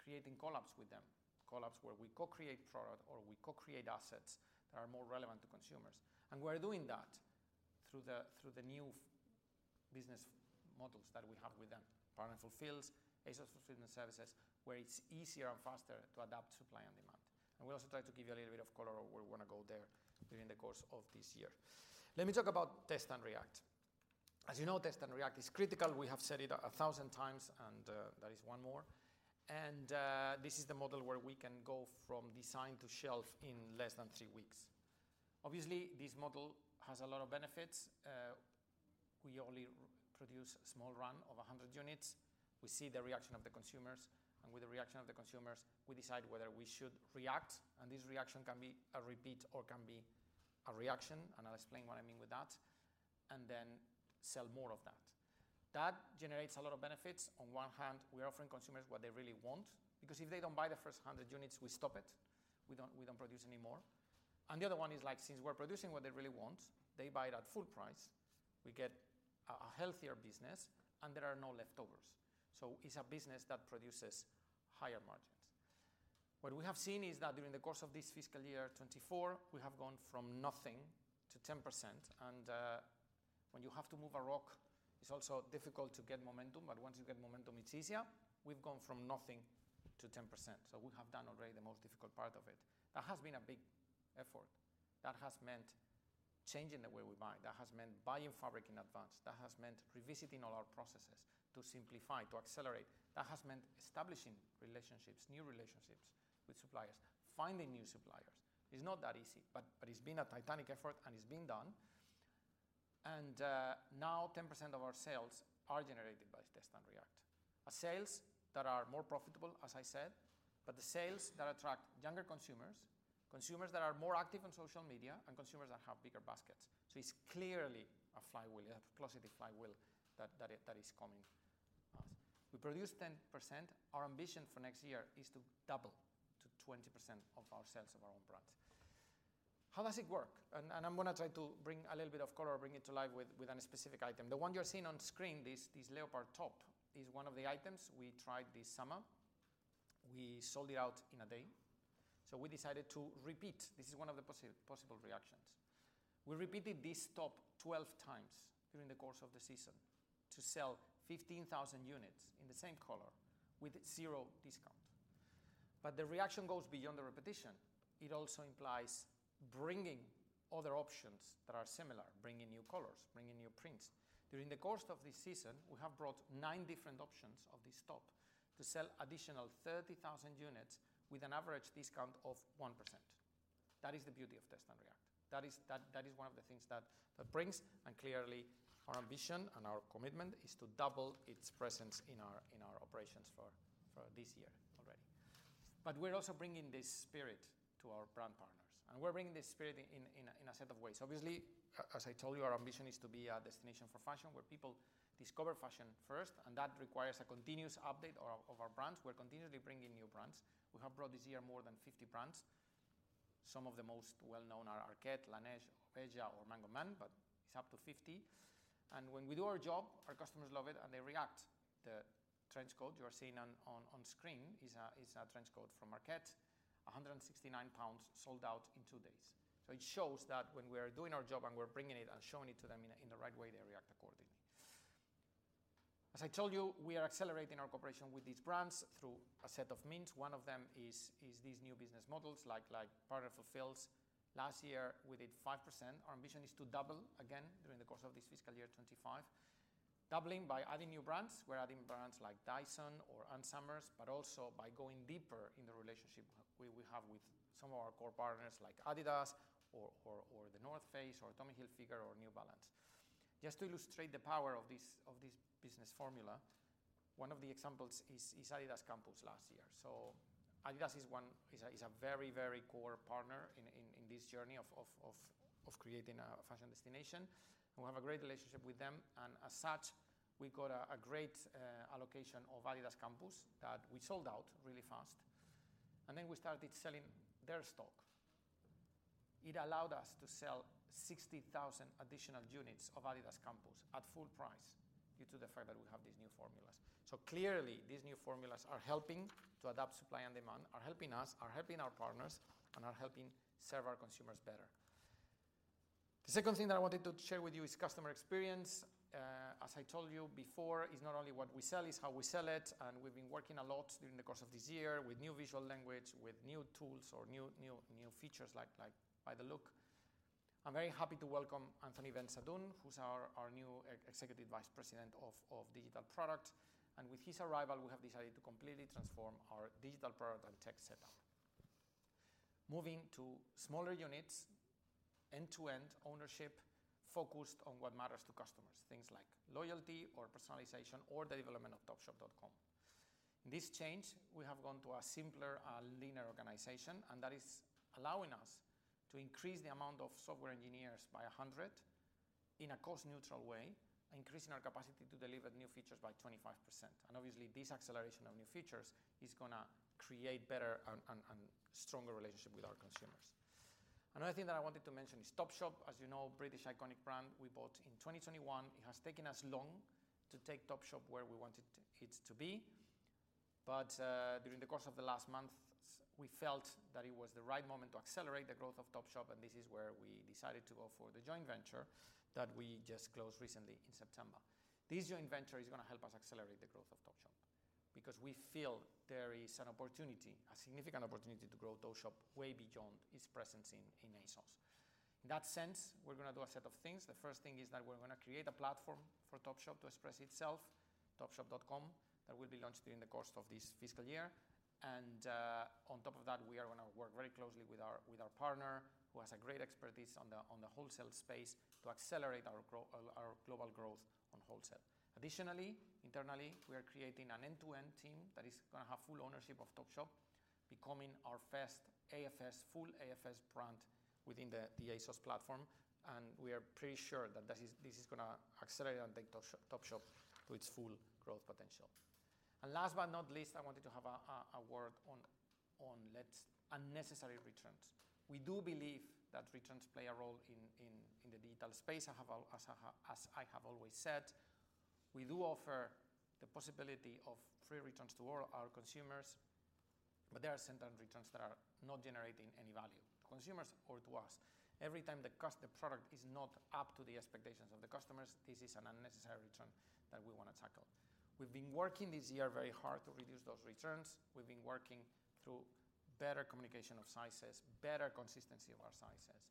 creating collabs with them, collabs where we co-create product or we co-create assets that are more relevant to consumers. And we're doing that through the new business models that we have with them, Partner Fulfils, ASOS Fulfilment Services, where it's easier and faster to adapt supply and demand. And we'll also try to give you a little bit of color where we want to go there during the course of this year. Let me talk about Test and React. As you know, Test and React is critical. We have said it a thousand times, and, that is one more. And, this is the model where we can go from design to shelf in less than three weeks. Obviously, this model has a lot of benefits. We only produce a small run of 100 units. We see the reaction of the consumers. And with the reaction of the consumers, we decide whether we should react. And this reaction can be a repeat or can be a reaction. And I'll explain what I mean with that. And then sell more of that. That generates a lot of benefits. On one hand, we are offering consumers what they really want because if they don't buy the first 100 units, we stop it. We don't produce anymore. And the other one is like, since we're producing what they really want, they buy it at full price. We get a healthier business, and there are no leftovers. So it's a business that produces higher margins. What we have seen is that during the course of this fiscal year 2024, we have gone from nothing to 10%. And, when you have to move a rock, it's also difficult to get momentum. But once you get momentum, it's easier. We've gone from nothing to 10%. So we have done already the most difficult part of it. That has been a big effort. That has meant changing the way we buy. That has meant buying fabric in advance. That has meant revisiting all our processes to simplify, to accelerate. That has meant establishing relationships, new relationships with suppliers, finding new suppliers. It's not that easy, but it's been a titanic effort, and it's been done. And now 10% of our sales are generated by Test and React. Our sales that are more profitable, as I said, but the sales that attract younger consumers, consumers that are more active on social media, and consumers that have bigger baskets. So it's clearly a flywheel, a positive flywheel that is coming. We produce 10%. Our ambition for next year is to double to 20% of our sales of our own brands. How does it work? And I'm going to try to bring a little bit of color, bring it to life with a specific item. The one you're seeing on screen, this leopard top is one of the items we tried this summer. We sold it out in a day. So we decided to repeat. This is one of the possible reactions. We repeated this top 12 times during the course of the season to sell 15,000 units in the same color with zero discount. But the reaction goes beyond the repetition. It also implies bringing other options that are similar, bringing new colors, bringing new prints. During the course of this season, we have brought nine different options of this top to sell additional 30,000 units with an average discount of 1%. That is the beauty of Test and React. That is one of the things that brings. And clearly, our ambition and our commitment is to double its presence in our operations for this year already. But we're also bringing this spirit to our brand partners. And we're bringing this spirit in a set of ways. Obviously, as I told you, our ambition is to be a destination for fashion where people discover fashion first. And that requires a continuous update of our brands. We're continuously bringing new brands. We have brought this year more than 50 brands. Some of the most well-known are Arket, Laneige, Veja, or Mango Man, but it's up to 50. And when we do our job, our customers love it, and they react. The trench coat you are seeing on screen is a trench coat from Arket, 169 pounds sold out in two days. It shows that when we are doing our job and we're bringing it and showing it to them in the right way, they react accordingly. As I told you, we are accelerating our cooperation with these brands through a set of means. One of them is these new business models like Partner Fulfils. Last year, we did 5%. Our ambition is to double again during the course of this fiscal year 2025, doubling by adding new brands. We're adding brands like Dyson or Ensembles, but also by going deeper in the relationship we have with some of our core partners like Adidas or The North Face or Tommy Hilfiger or New Balance. Just to illustrate the power of this business formula, one of the examples is Adidas Campus last year. So Adidas is a very, very core partner in this journey of creating a fashion destination. And we have a great relationship with them. And as such, we got a great allocation of Adidas Campus that we sold out really fast. And then we started selling their stock. It allowed us to sell 60,000 additional units of Adidas Campus at full price due to the fact that we have these new formulas. So clearly, these new formulas are helping to adapt supply and demand, are helping us, are helping our partners, and are helping serve our consumers better. The second thing that I wanted to share with you is customer experience. As I told you before, it's not only what we sell, it's how we sell it. We've been working a lot during the course of this year with new visual language, with new tools or new features like Buy the Look. I'm very happy to welcome Anthony Bensadoun, who's our new Executive Vice President of digital products. With his arrival, we have decided to completely transform our digital product and tech setup, moving to smaller units, uend-to-end ownership focused on what matters to customers, things like loyalty or personalization or the development of Topshop.com. This change, we have gone to a simpler, a leaner organization, and that is allowing us to increase the amount of software engineers by 100 in a cost-neutral way, increasing our capacity to deliver new features by 25%. Obviously, this acceleration of new features is going to create better and stronger relationships with our consumers. Another thing that I wanted to mention is Topshop, as you know, a British iconic brand we bought in 2021. It has taken us long to take Topshop where we wanted it to be. But, during the course of the last month, we felt that it was the right moment to accelerate the growth of Topshop. And this is where we decided to go for the joint venture that we just closed recently in September. This joint venture is going to help us accelerate the growth of Topshop because we feel there is an opportunity, a significant opportunity to grow Topshop way beyond its presence in ASOS. In that sense, we're going to do a set of things. The first thing is that we're going to create a platform for Topshop to express itself, Topshop.com, that will be launched during the course of this fiscal year. On top of that, we are going to work very closely with our partner, who has great expertise on the wholesale space, to accelerate our global growth on wholesale. Additionally, internally, we are creating an end-to-end team that is going to have full ownership of Topshop, becoming our first full AFS brand within the ASOS platform. We are pretty sure that this is going to accelerate and take Topshop to its full growth potential. Last but not least, I wanted to have a word on less unnecessary returns. We do believe that returns play a role in the digital space. I have always said, we do offer the possibility of free returns to all our consumers, but there are certain returns that are not generating any value to consumers or to us. Every time the product is not up to the expectations of the customers, this is an unnecessary return that we want to tackle. We've been working this year very hard to reduce those returns. We've been working through better communication of sizes, better consistency of our sizes,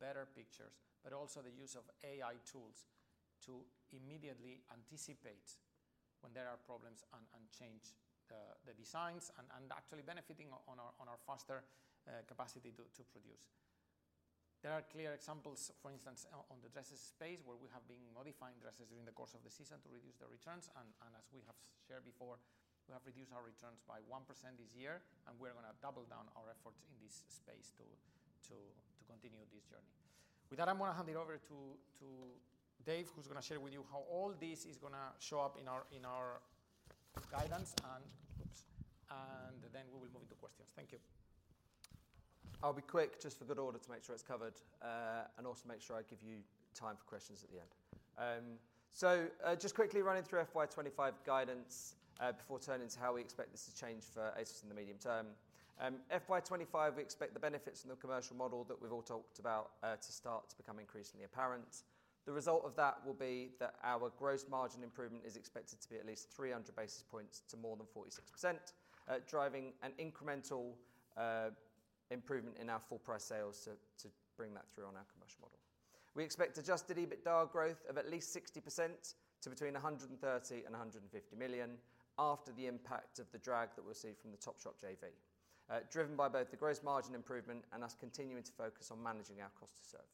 better pictures, but also the use of AI tools to immediately anticipate when there are problems and change the designs and actually benefiting on our faster capacity to produce. There are clear examples, for instance, on the dresses space, where we have been modifying dresses during the course of the season to reduce the returns. As we have shared before, we have reduced our returns by 1% this year, and we are going to double down our efforts in this space to continue this journey. With that, I'm going to hand it over to Dave, who's going to share with you how all this is going to show up in our guidance. Oops. Then we will move into questions. Thank you. I'll be quick just for good order to make sure it's covered, and also make sure I give you time for questions at the end. Just quickly running through FY25 guidance, before turning to how we expect this to change for ASOS in the medium term. FY25, we expect the benefits from the commercial model that we've all talked about, to start to become increasingly apparent. The result of that will be that our gross margin improvement is expected to be at least 300 basis points to more than 46%, driving an incremental improvement in our full price sales to bring that through on our commercial model. We expect adjusted EBITDA growth of at least 60% to between 130 million and 150 million after the impact of the drag that we'll see from the Topshop JV, driven by both the gross margin improvement and us continuing to focus on managing our cost to serve.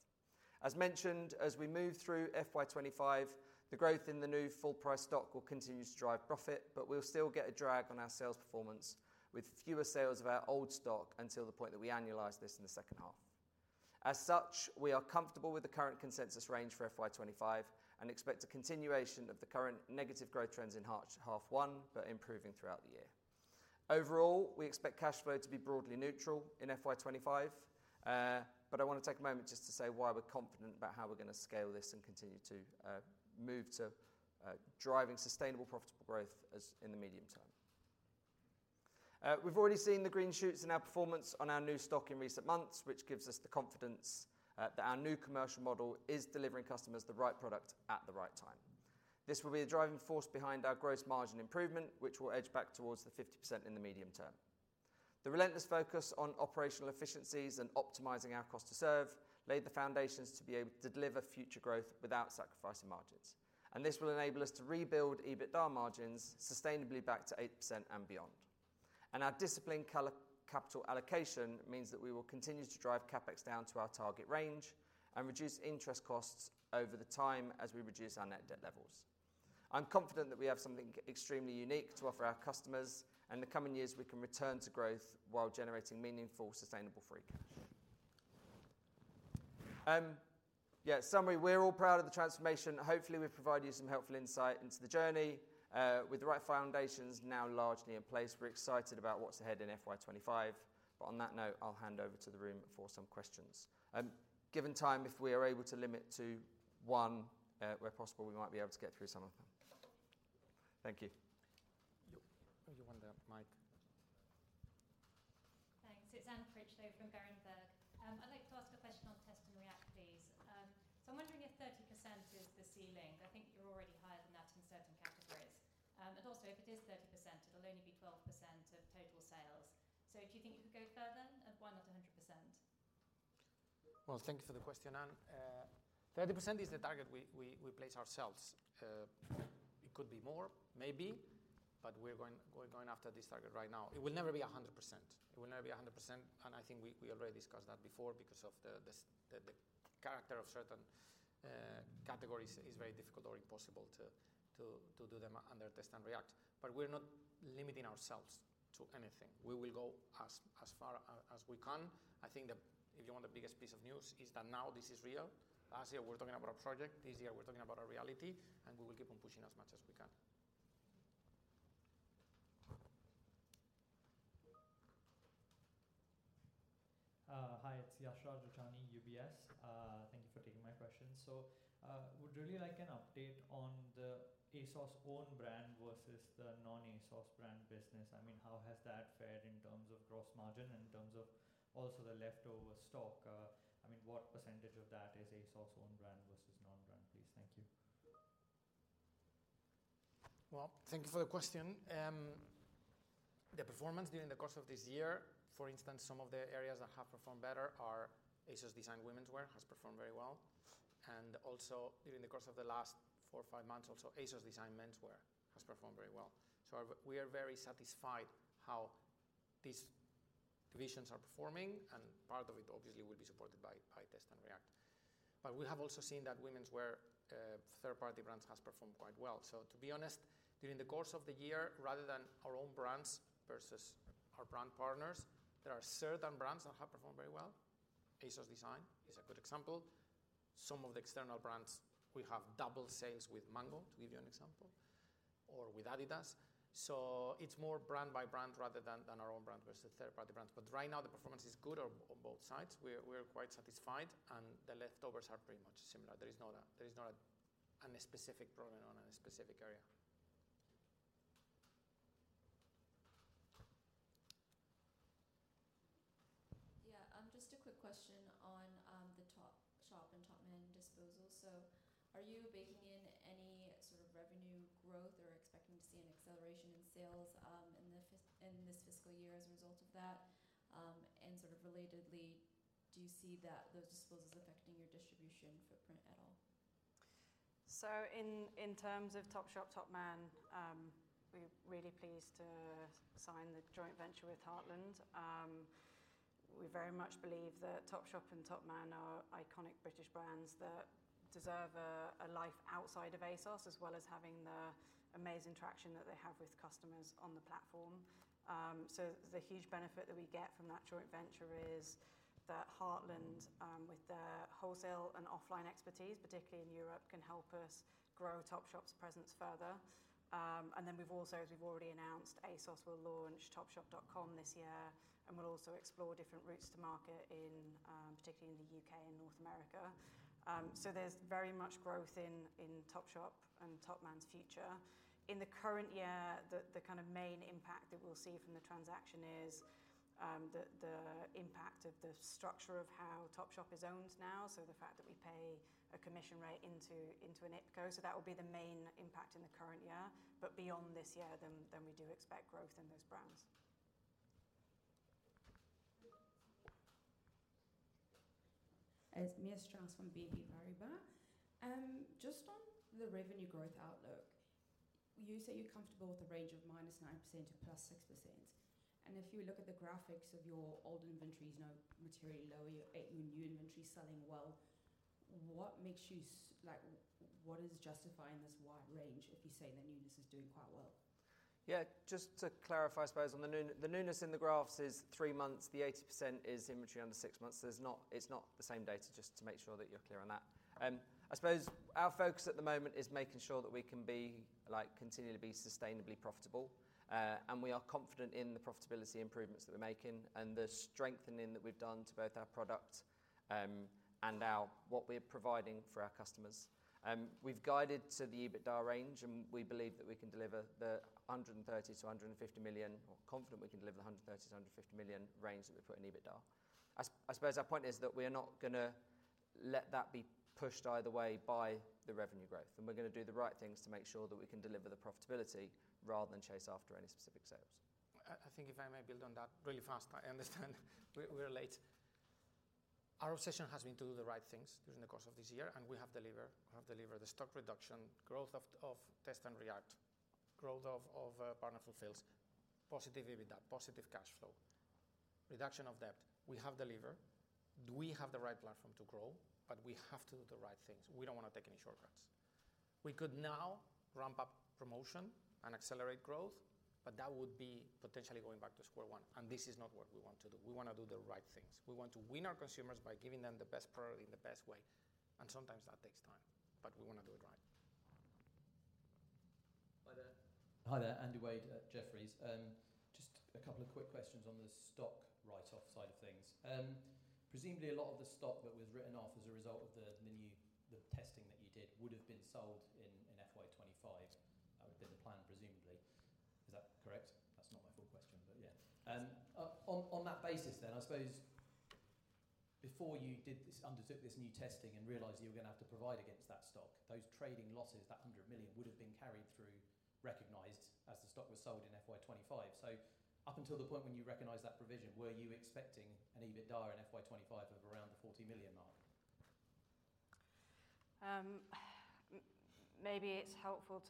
As mentioned, as we move through FY25, the growth in the new full price stock will continue to drive profit, but we'll still get a drag on our sales performance with fewer sales of our old stock until the point that we annualize this in the second half. As such, we are comfortable with the current consensus range for FY25 and expect a continuation of the current negative growth trends in half, half one, but improving throughout the year. Overall, we expect cash flow to be broadly neutral in FY25. But I want to take a moment just to say why we're confident about how we're going to scale this and continue to, move to, driving sustainable, profitable growth as in the medium term. We've already seen the green shoots in our performance on our new stock in recent months, which gives us the confidence, that our new commercial model is delivering customers the right product at the right time. This will be the driving force behind our gross margin improvement, which will edge back towards the 50% in the medium term. The relentless focus on operational efficiencies and optimizing our cost to serve laid the foundations to be able to deliver future growth without sacrificing margins. And this will enable us to rebuild EBITDA margins sustainably back to 8% and beyond. And our disciplined capital allocation means that we will continue to drive CapEx down to our target range and reduce interest costs over time as we reduce our net debt levels. I'm confident that we have something extremely unique to offer our customers, and in the coming years, we can return to growth while generating meaningful, sustainable free cash flow. Yeah, in summary, we're all proud of the transformation. Hopefully, we've provided you with some helpful insight into the journey. With the right foundations now largely in place, we're excited about what's ahead in FY25. But on that note, I'll hand over to the room for some questions. Given time, if we are able to limit to one, where possible, we might be able to get through some of them. Thank you. Yep. You want the mic. Thanks. It's Anne Critchlow from Berenberg. I'd like to ask a question on Test and React, please. So I'm wondering if 30% is the ceiling. I think you're already higher than that in certain categories. And also, if it is 30%, it'll only be 12% of total sales. So do you think you could go further? Why not 100%? Thank you for the question, Ann. 30% is the target we place ourselves. It could be more, maybe, but we're going after this target right now. It will never be 100%. It will never be 100%. And I think we already discussed that before because of the character of certain categories is very difficult or impossible to do them under Test and React. But we're not limiting ourselves to anything. We will go as far as we can. I think that if you want the biggest piece of news is that now this is real. Last year, we were talking about a project. This year, we're talking about a reality, and we will keep on pushing as much as we can. Hi. It's Yashraj Rajani, UBS. Thank you for taking my question. So, would really like an update on the ASOS own brand versus the non-ASOS brand business. I mean, how has that fared in terms of gross margin and in terms of also the leftover stock? I mean, what percentage of that is ASOS own brand versus non-brand, please? Thank you. Thank you for the question. The performance during the course of this year, for instance, some of the areas that have performed better are ASOS Design Women's Wear, which has performed very well. And also, during the course of the last four or five months, also ASOS Design Men's Wear has performed very well. So we are very satisfied how these divisions are performing, and part of it, obviously, will be supported by Test and React. But we have also seen that Women's Wear, third-party brands has performed quite well. To be honest, during the course of the year, rather than our own brands versus our brand partners, there are certain brands that have performed very well. ASOS Design is a good example. Some of the external brands, we have double sales with Mango, to give you an example, or with Adidas. So it's more brand by brand rather than our own brand versus third-party brands. But right now, the performance is good on both sides. We're quite satisfied, and the leftovers are pretty much similar. There is not a specific problem on a specific area. Yeah. Just a quick question on the Topshop and Topman disposal. So are you baking in any sort of revenue growth or expecting to see an acceleration in sales in this fiscal year as a result of that? And sort of relatedly, do you see that those disposals affecting your distribution footprint at all? So in terms of Topshop, Topman, we're really pleased to sign the joint venture with Heartland. We very much believe that Topshop and Topman are iconic British brands that deserve a life outside of ASOS as well as having the amazing traction that they have with customers on the platform. So the huge benefit that we get from that joint venture is that Heartland, with their wholesale and offline expertise, particularly in Europe, can help us grow Topshop's presence further. And then we've also, as we've already announced, ASOS will launch Topshop.com this year and will also explore different routes to market in, particularly in the U.K. and North America. So there's very much growth in Topshop and Topman's future. In the current year, the kind of main impact that we'll see from the transaction is the impact of the structure of how Topshop is owned now, so the fact that we pay a commission rate into an IPCO. So that will be the main impact in the current year. But beyond this year, then we do expect growth in those brands. Mia Strauss from BNP Paribas. Just on the revenue growth outlook, you say you're comfortable with a range of minus 9% to plus 6%. And if you look at the graphics of your old inventories, no materially lower, your new inventory selling well, what makes you, like, what is justifying this wide range if you say the newness is doing quite well? Yeah. Just to clarify, I suppose, on the new, the newness in the graphs is three months. The 80% is inventory under six months. There's not, it's not the same data, just to make sure that you're clear on that. I suppose our focus at the moment is making sure that we can be, like, continue to be sustainably profitable, and we are confident in the profitability improvements that we're making and the strengthening that we've done to both our product, and our, what we're providing for our customers. We've guided to the EBITDA range, and we believe that we can deliver the 130-150 million or confident we can deliver the 130-150 million range that we put in EBITDA. I suppose our point is that we are not going to let that be pushed either way by the revenue growth, and we're going to do the right things to make sure that we can deliver the profitability rather than chase after any specific sales. I think if I may build on that really fast. I understand we are late. Our obsession has been to do the right things during the course of this year, and we have delivered. We have delivered the stock reduction, growth of Test and React, growth of Partner Fulfils, positive EBITDA, positive cash flow, reduction of debt. We have delivered. We have the right platform to grow, but we have to do the right things. We don't want to take any shortcuts. We could now ramp up promotion and accelerate growth, but that would be potentially going back to square one. And this is not what we want to do. We want to do the right things. We want to win our consumers by giving them the best product in the best way. And sometimes that takes time, but we want to do it right. Hi there. Hi there. Andrew Wade, Jefferies. Just a couple of quick questions on the stock write-off side of things. Presumably a lot of the stock that was written off as a result of the new testing that you did would have been sold in FY25. That would have been the plan, presumably. Is that correct? That's not my full question, but yeah. On that basis then, I suppose before you did this, undertook this new testing and realized you were going to have to provide against that stock, those trading losses, that 100 million would have been carried through, recognized as the stock was sold in FY25. So up until the point when you recognized that provision, were you expecting an EBITDA in FY25 of around the 40 million mark? Maybe it's helpful,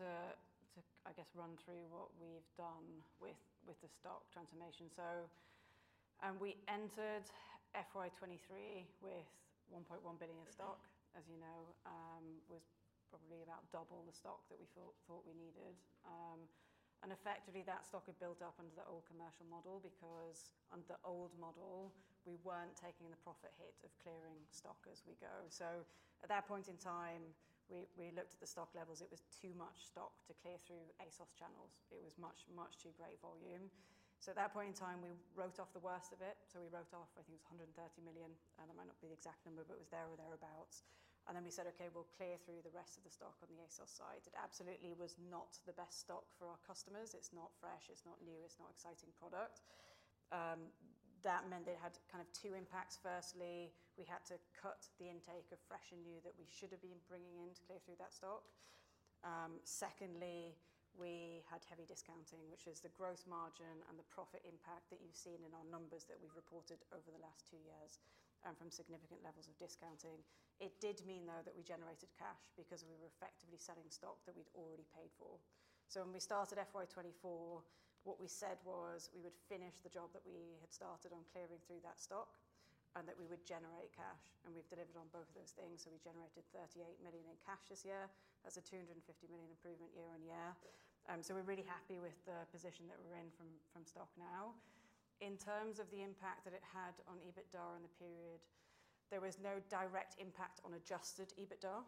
I guess, to run through what we've done with the stock transformation. So, we entered FY23 with 1.1 billion stock, as you know, was probably about double the stock that we thought we needed. And effectively that stock had built up under the old commercial model because under the old model, we weren't taking the profit hit of clearing stock as we go. So at that point in time, we looked at the stock levels. It was too much stock to clear through ASOS channels. It was much too great volume. So at that point in time, we wrote off the worst of it. So we wrote off, I think it was 130 million. That might not be the exact number, but it was there or thereabouts. And then we said, "Okay, we'll clear through the rest of the stock on the ASOS side." It absolutely was not the best stock for our customers. It's not fresh. It's not new. It's not an exciting product. That meant it had kind of two impacts. Firstly, we had to cut the intake of fresh and new that we should have been bringing in to clear through that stock. Secondly, we had heavy discounting, which is the gross margin and the profit impact that you've seen in our numbers that we've reported over the last two years, from significant levels of discounting. It did mean, though, that we generated cash because we were effectively selling stock that we'd already paid for. So when we started FY24, what we said was we would finish the job that we had started on clearing through that stock and that we would generate cash. We've delivered on both of those things. We generated 38 million in cash this year. That's a 250 million improvement year-on-year. We're really happy with the position that we're in from stock now. In terms of the impact that it had on EBITDA in the period, there was no direct impact on adjusted EBITDA.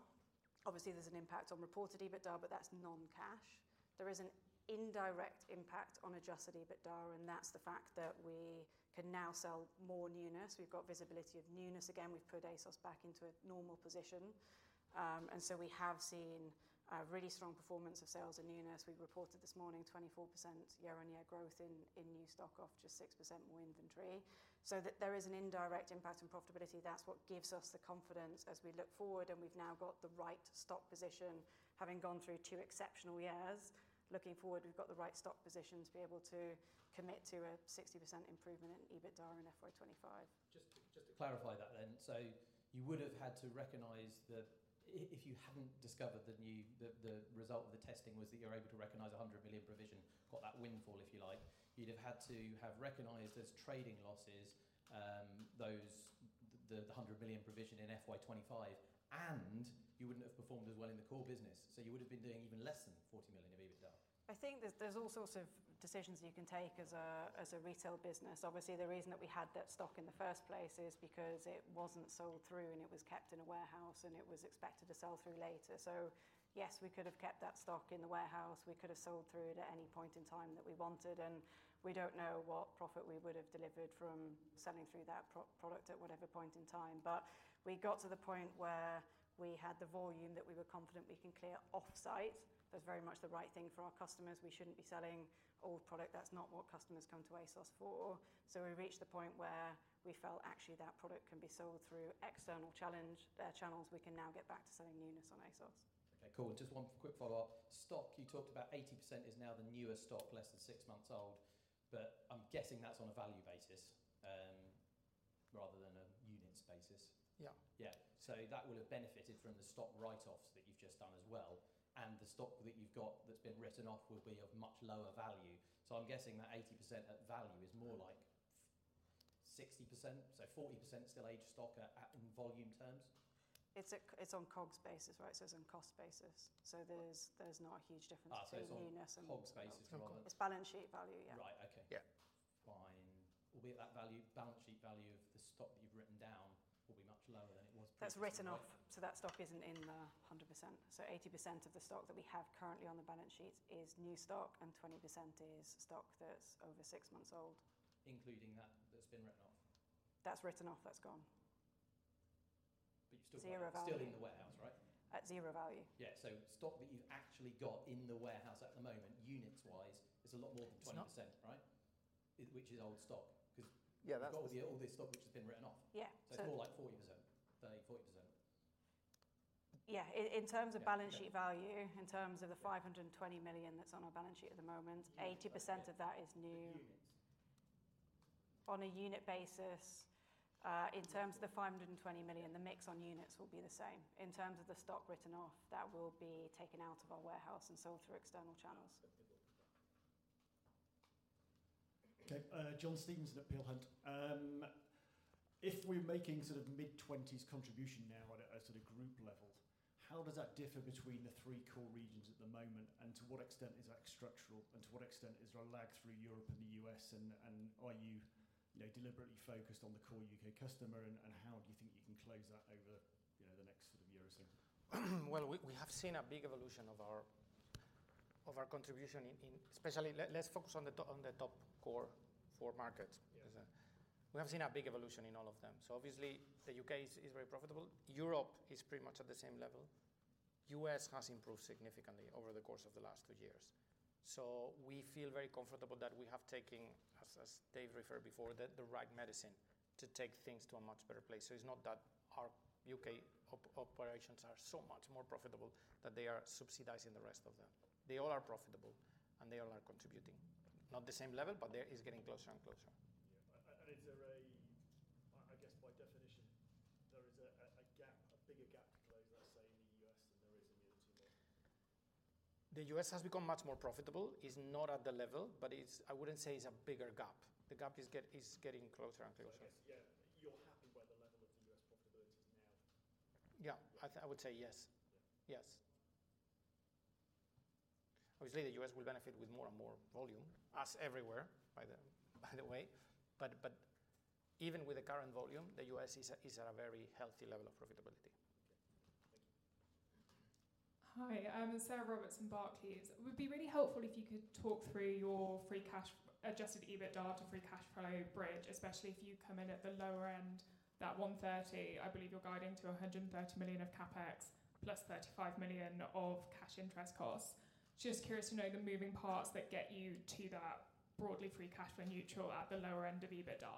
Obviously, there's an impact on reported EBITDA, but that's non-cash. There is an indirect impact on adjusted EBITDA, and that's the fact that we can now sell more newness. We've got visibility of newness. Again, we've put ASOS back into a normal position. We have seen a really strong performance of sales and newness. We reported this morning 24% year-on-year growth in new stock off just 6% more inventory. That there is an indirect impact on profitability. That's what gives us the confidence as we look forward, and we've now got the right stock position. Having gone through two exceptional years, looking forward, we've got the right stock position to be able to commit to a 60% improvement in EBITDA in FY25. Just to clarify that then, so you would have had to recognize if you hadn't discovered the new result of the testing was that you're able to recognize a 100 million provision, got that windfall, if you like. You'd have had to have recognized as trading losses those, the 100 million provision in FY25, and you wouldn't have performed as well in the core business so you would have been doing even less than 40 million of EBITDA. I think there's all sorts of decisions you can take as a retail business. Obviously, the reason that we had that stock in the first place is because it wasn't sold through and it was kept in a warehouse and it was expected to sell through later. So yes, we could have kept that stock in the warehouse. We could have sold through it at any point in time that we wanted. And we don't know what profit we would have delivered from selling through that product at whatever point in time. But we got to the point where we had the volume that we were confident we can clear off-site. That's very much the right thing for our customers. We shouldn't be selling old product. That's not what customers come to ASOS for. So we reached the point where we felt, actually, that product can be sold through external channels. We can now get back to selling newness on ASOS. Okay. Cool. Just one quick follow-up. Stock, you talked about 80% is now the newest stock, less than six months old, but I'm guessing that's on a value basis, rather than a units basis. Yeah. Yeah. So that would have benefited from the stock write-offs that you've just done as well. And the stock that you've got that's been written off would be of much lower value. So I'm guessing that 80% at value is more like 60%, so 40% still aged stock at in volume terms? It's on COGS basis, right? So it's on cost basis. So there's not a huge difference between newness and. So it's on COGS basis? It's on COGS. It's balance sheet value. Yeah. Right. Okay. Yeah. Fine. That value, balance sheet value of the stock that you've written down will be much lower than it was. That's written off. So that stock isn't in the 100%. So 80% of the stock that we have currently on the balance sheet is new stock, and 20% is stock that's over six months old. Including that that's been written off? That's written off. That's gone. But you're still in the warehouse, right? At zero value. Yeah. Stock that you've actually got in the warehouse at the moment, units-wise, is a lot more than 20%, right? No. Which is old stock because you've got all this stock which has been written off. Yeah. It's more like 40%, 30%, 40%. Yeah. In terms of balance sheet value, in terms of the 520 million that's on our balance sheet at the moment, 80% of that is new. Units. On a unit basis, in terms of the 520 million, the mix on units will be the same. In terms of the stock written off, that will be taken out of our warehouse and sold through external channels. Okay. John Stevenson at Peel Hunt. If we're making sort of mid-20s contribution now at a sort of group level, how does that differ between the three core regions at the moment? And to what extent is that structural? And to what extent is there a lag through Europe and the US? And, and are you, you know, deliberately focused on the core U.K. customer? And, and how do you think you can close that over, you know, the next sort of year or so? We have seen a big evolution of our contribution in especially. Let's focus on the top core four markets. Yeah. We have seen a big evolution in all of them. So obviously, the U.K. is very profitable. Europe is pretty much at the same level. U.S. has improved significantly over the course of the last two years. So we feel very comfortable that we have taken, as Dave referred before, the right medicine to take things to a much better place. So it's not that our U.K. operations are so much more profitable that they are subsidizing the rest of them. They all are profitable, and they all are contributing. Not the same level, but they're getting closer and closer. Yeah. Is there a, I guess by definition, there is a gap, a bigger gap to close, let's say, in the U.S. than there is in the other two markets? The U.S. has become much more profitable. It's not at the level, but it's, I wouldn't say it's a bigger gap. The gap is getting closer and closer. Okay. Yeah. You're happy where the level of the U.S. profitability is now? Yeah. I would say yes. Yeah. Yes. Obviously, the U.S. will benefit with more and more volume, as everywhere, by the way. But even with the current volume, the U.S. is at a very healthy level of profitability. Okay. Thank you. Hi. I'm Sarah Robertson, Barclays. It would be really helpful if you could talk through your free cash adjusted EBITDA to free cash flow bridge, especially if you come in at the lower end, that 130. I believe you're guiding to 130 million of CapEx plus 35 million of cash interest costs. Just curious to know the moving parts that get you to that broadly free cash flow neutral at the lower end of EBITDA.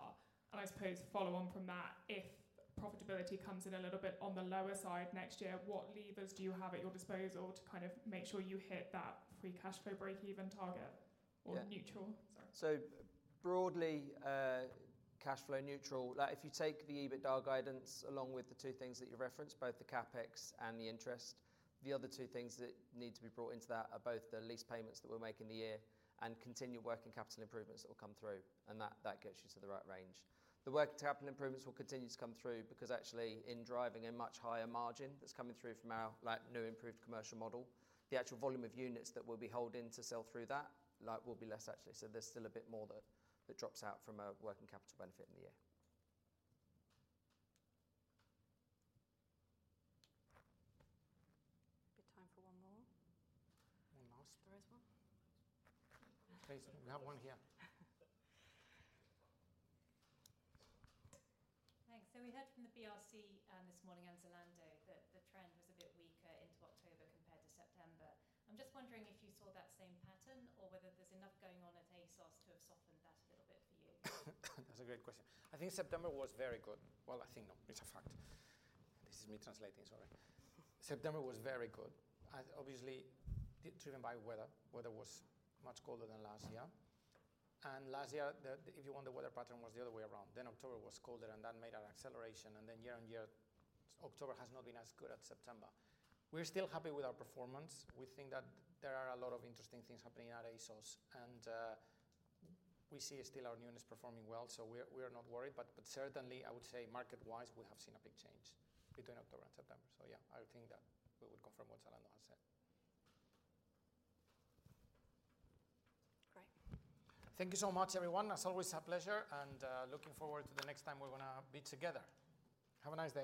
And I suppose follow on from that, if profitability comes in a little bit on the lower side next year, what levers do you have at your disposal to kind of make sure you hit that free cash flow break-even target or neutral? Sorry. So broadly, cash flow neutral. Like if you take the EBITDA guidance along with the two things that you referenced, both the CapEx and the interest, the other two things that need to be brought into that are both the lease payments that we'll make in the year and continued working capital improvements that will come through. And that, that gets you to the right range. The working capital improvements will continue to come through because actually in driving a much higher margin that's coming through from our, like, new improved commercial model, the actual volume of units that we'll be holding to sell through that, like, will be less actually. So there's still a bit more that, that drops out from our working capital benefit in the year. Good time for one more. One more? Sorry, as well. Please. We have one here. Thanks. So we heard from the BRC this morning, Zalando, that the trend was a bit weaker into October compared to September. I'm just wondering if you saw that same pattern or whether there's enough going on at ASOS to have softened that a little bit for you? That's a great question. I think September was very good. I think no. It's a fact. This is me translating. Sorry. September was very good, obviously driven by weather. Weather was much colder than last year. And last year, the if you want the weather pattern was the other way around. October was colder, and that made our acceleration. And then year-on-year, October has not been as good as September. We're still happy with our performance. We think that there are a lot of interesting things happening at ASOS. We see still our newness performing well. We're not worried. Certainly, I would say market-wise, we have seen a big change between October and September. Yeah, I think that we would confirm what Zalando has said. Great. Thank you so much, everyone. As always, a pleasure, and looking forward to the next time we're going to be together. Have a nice day.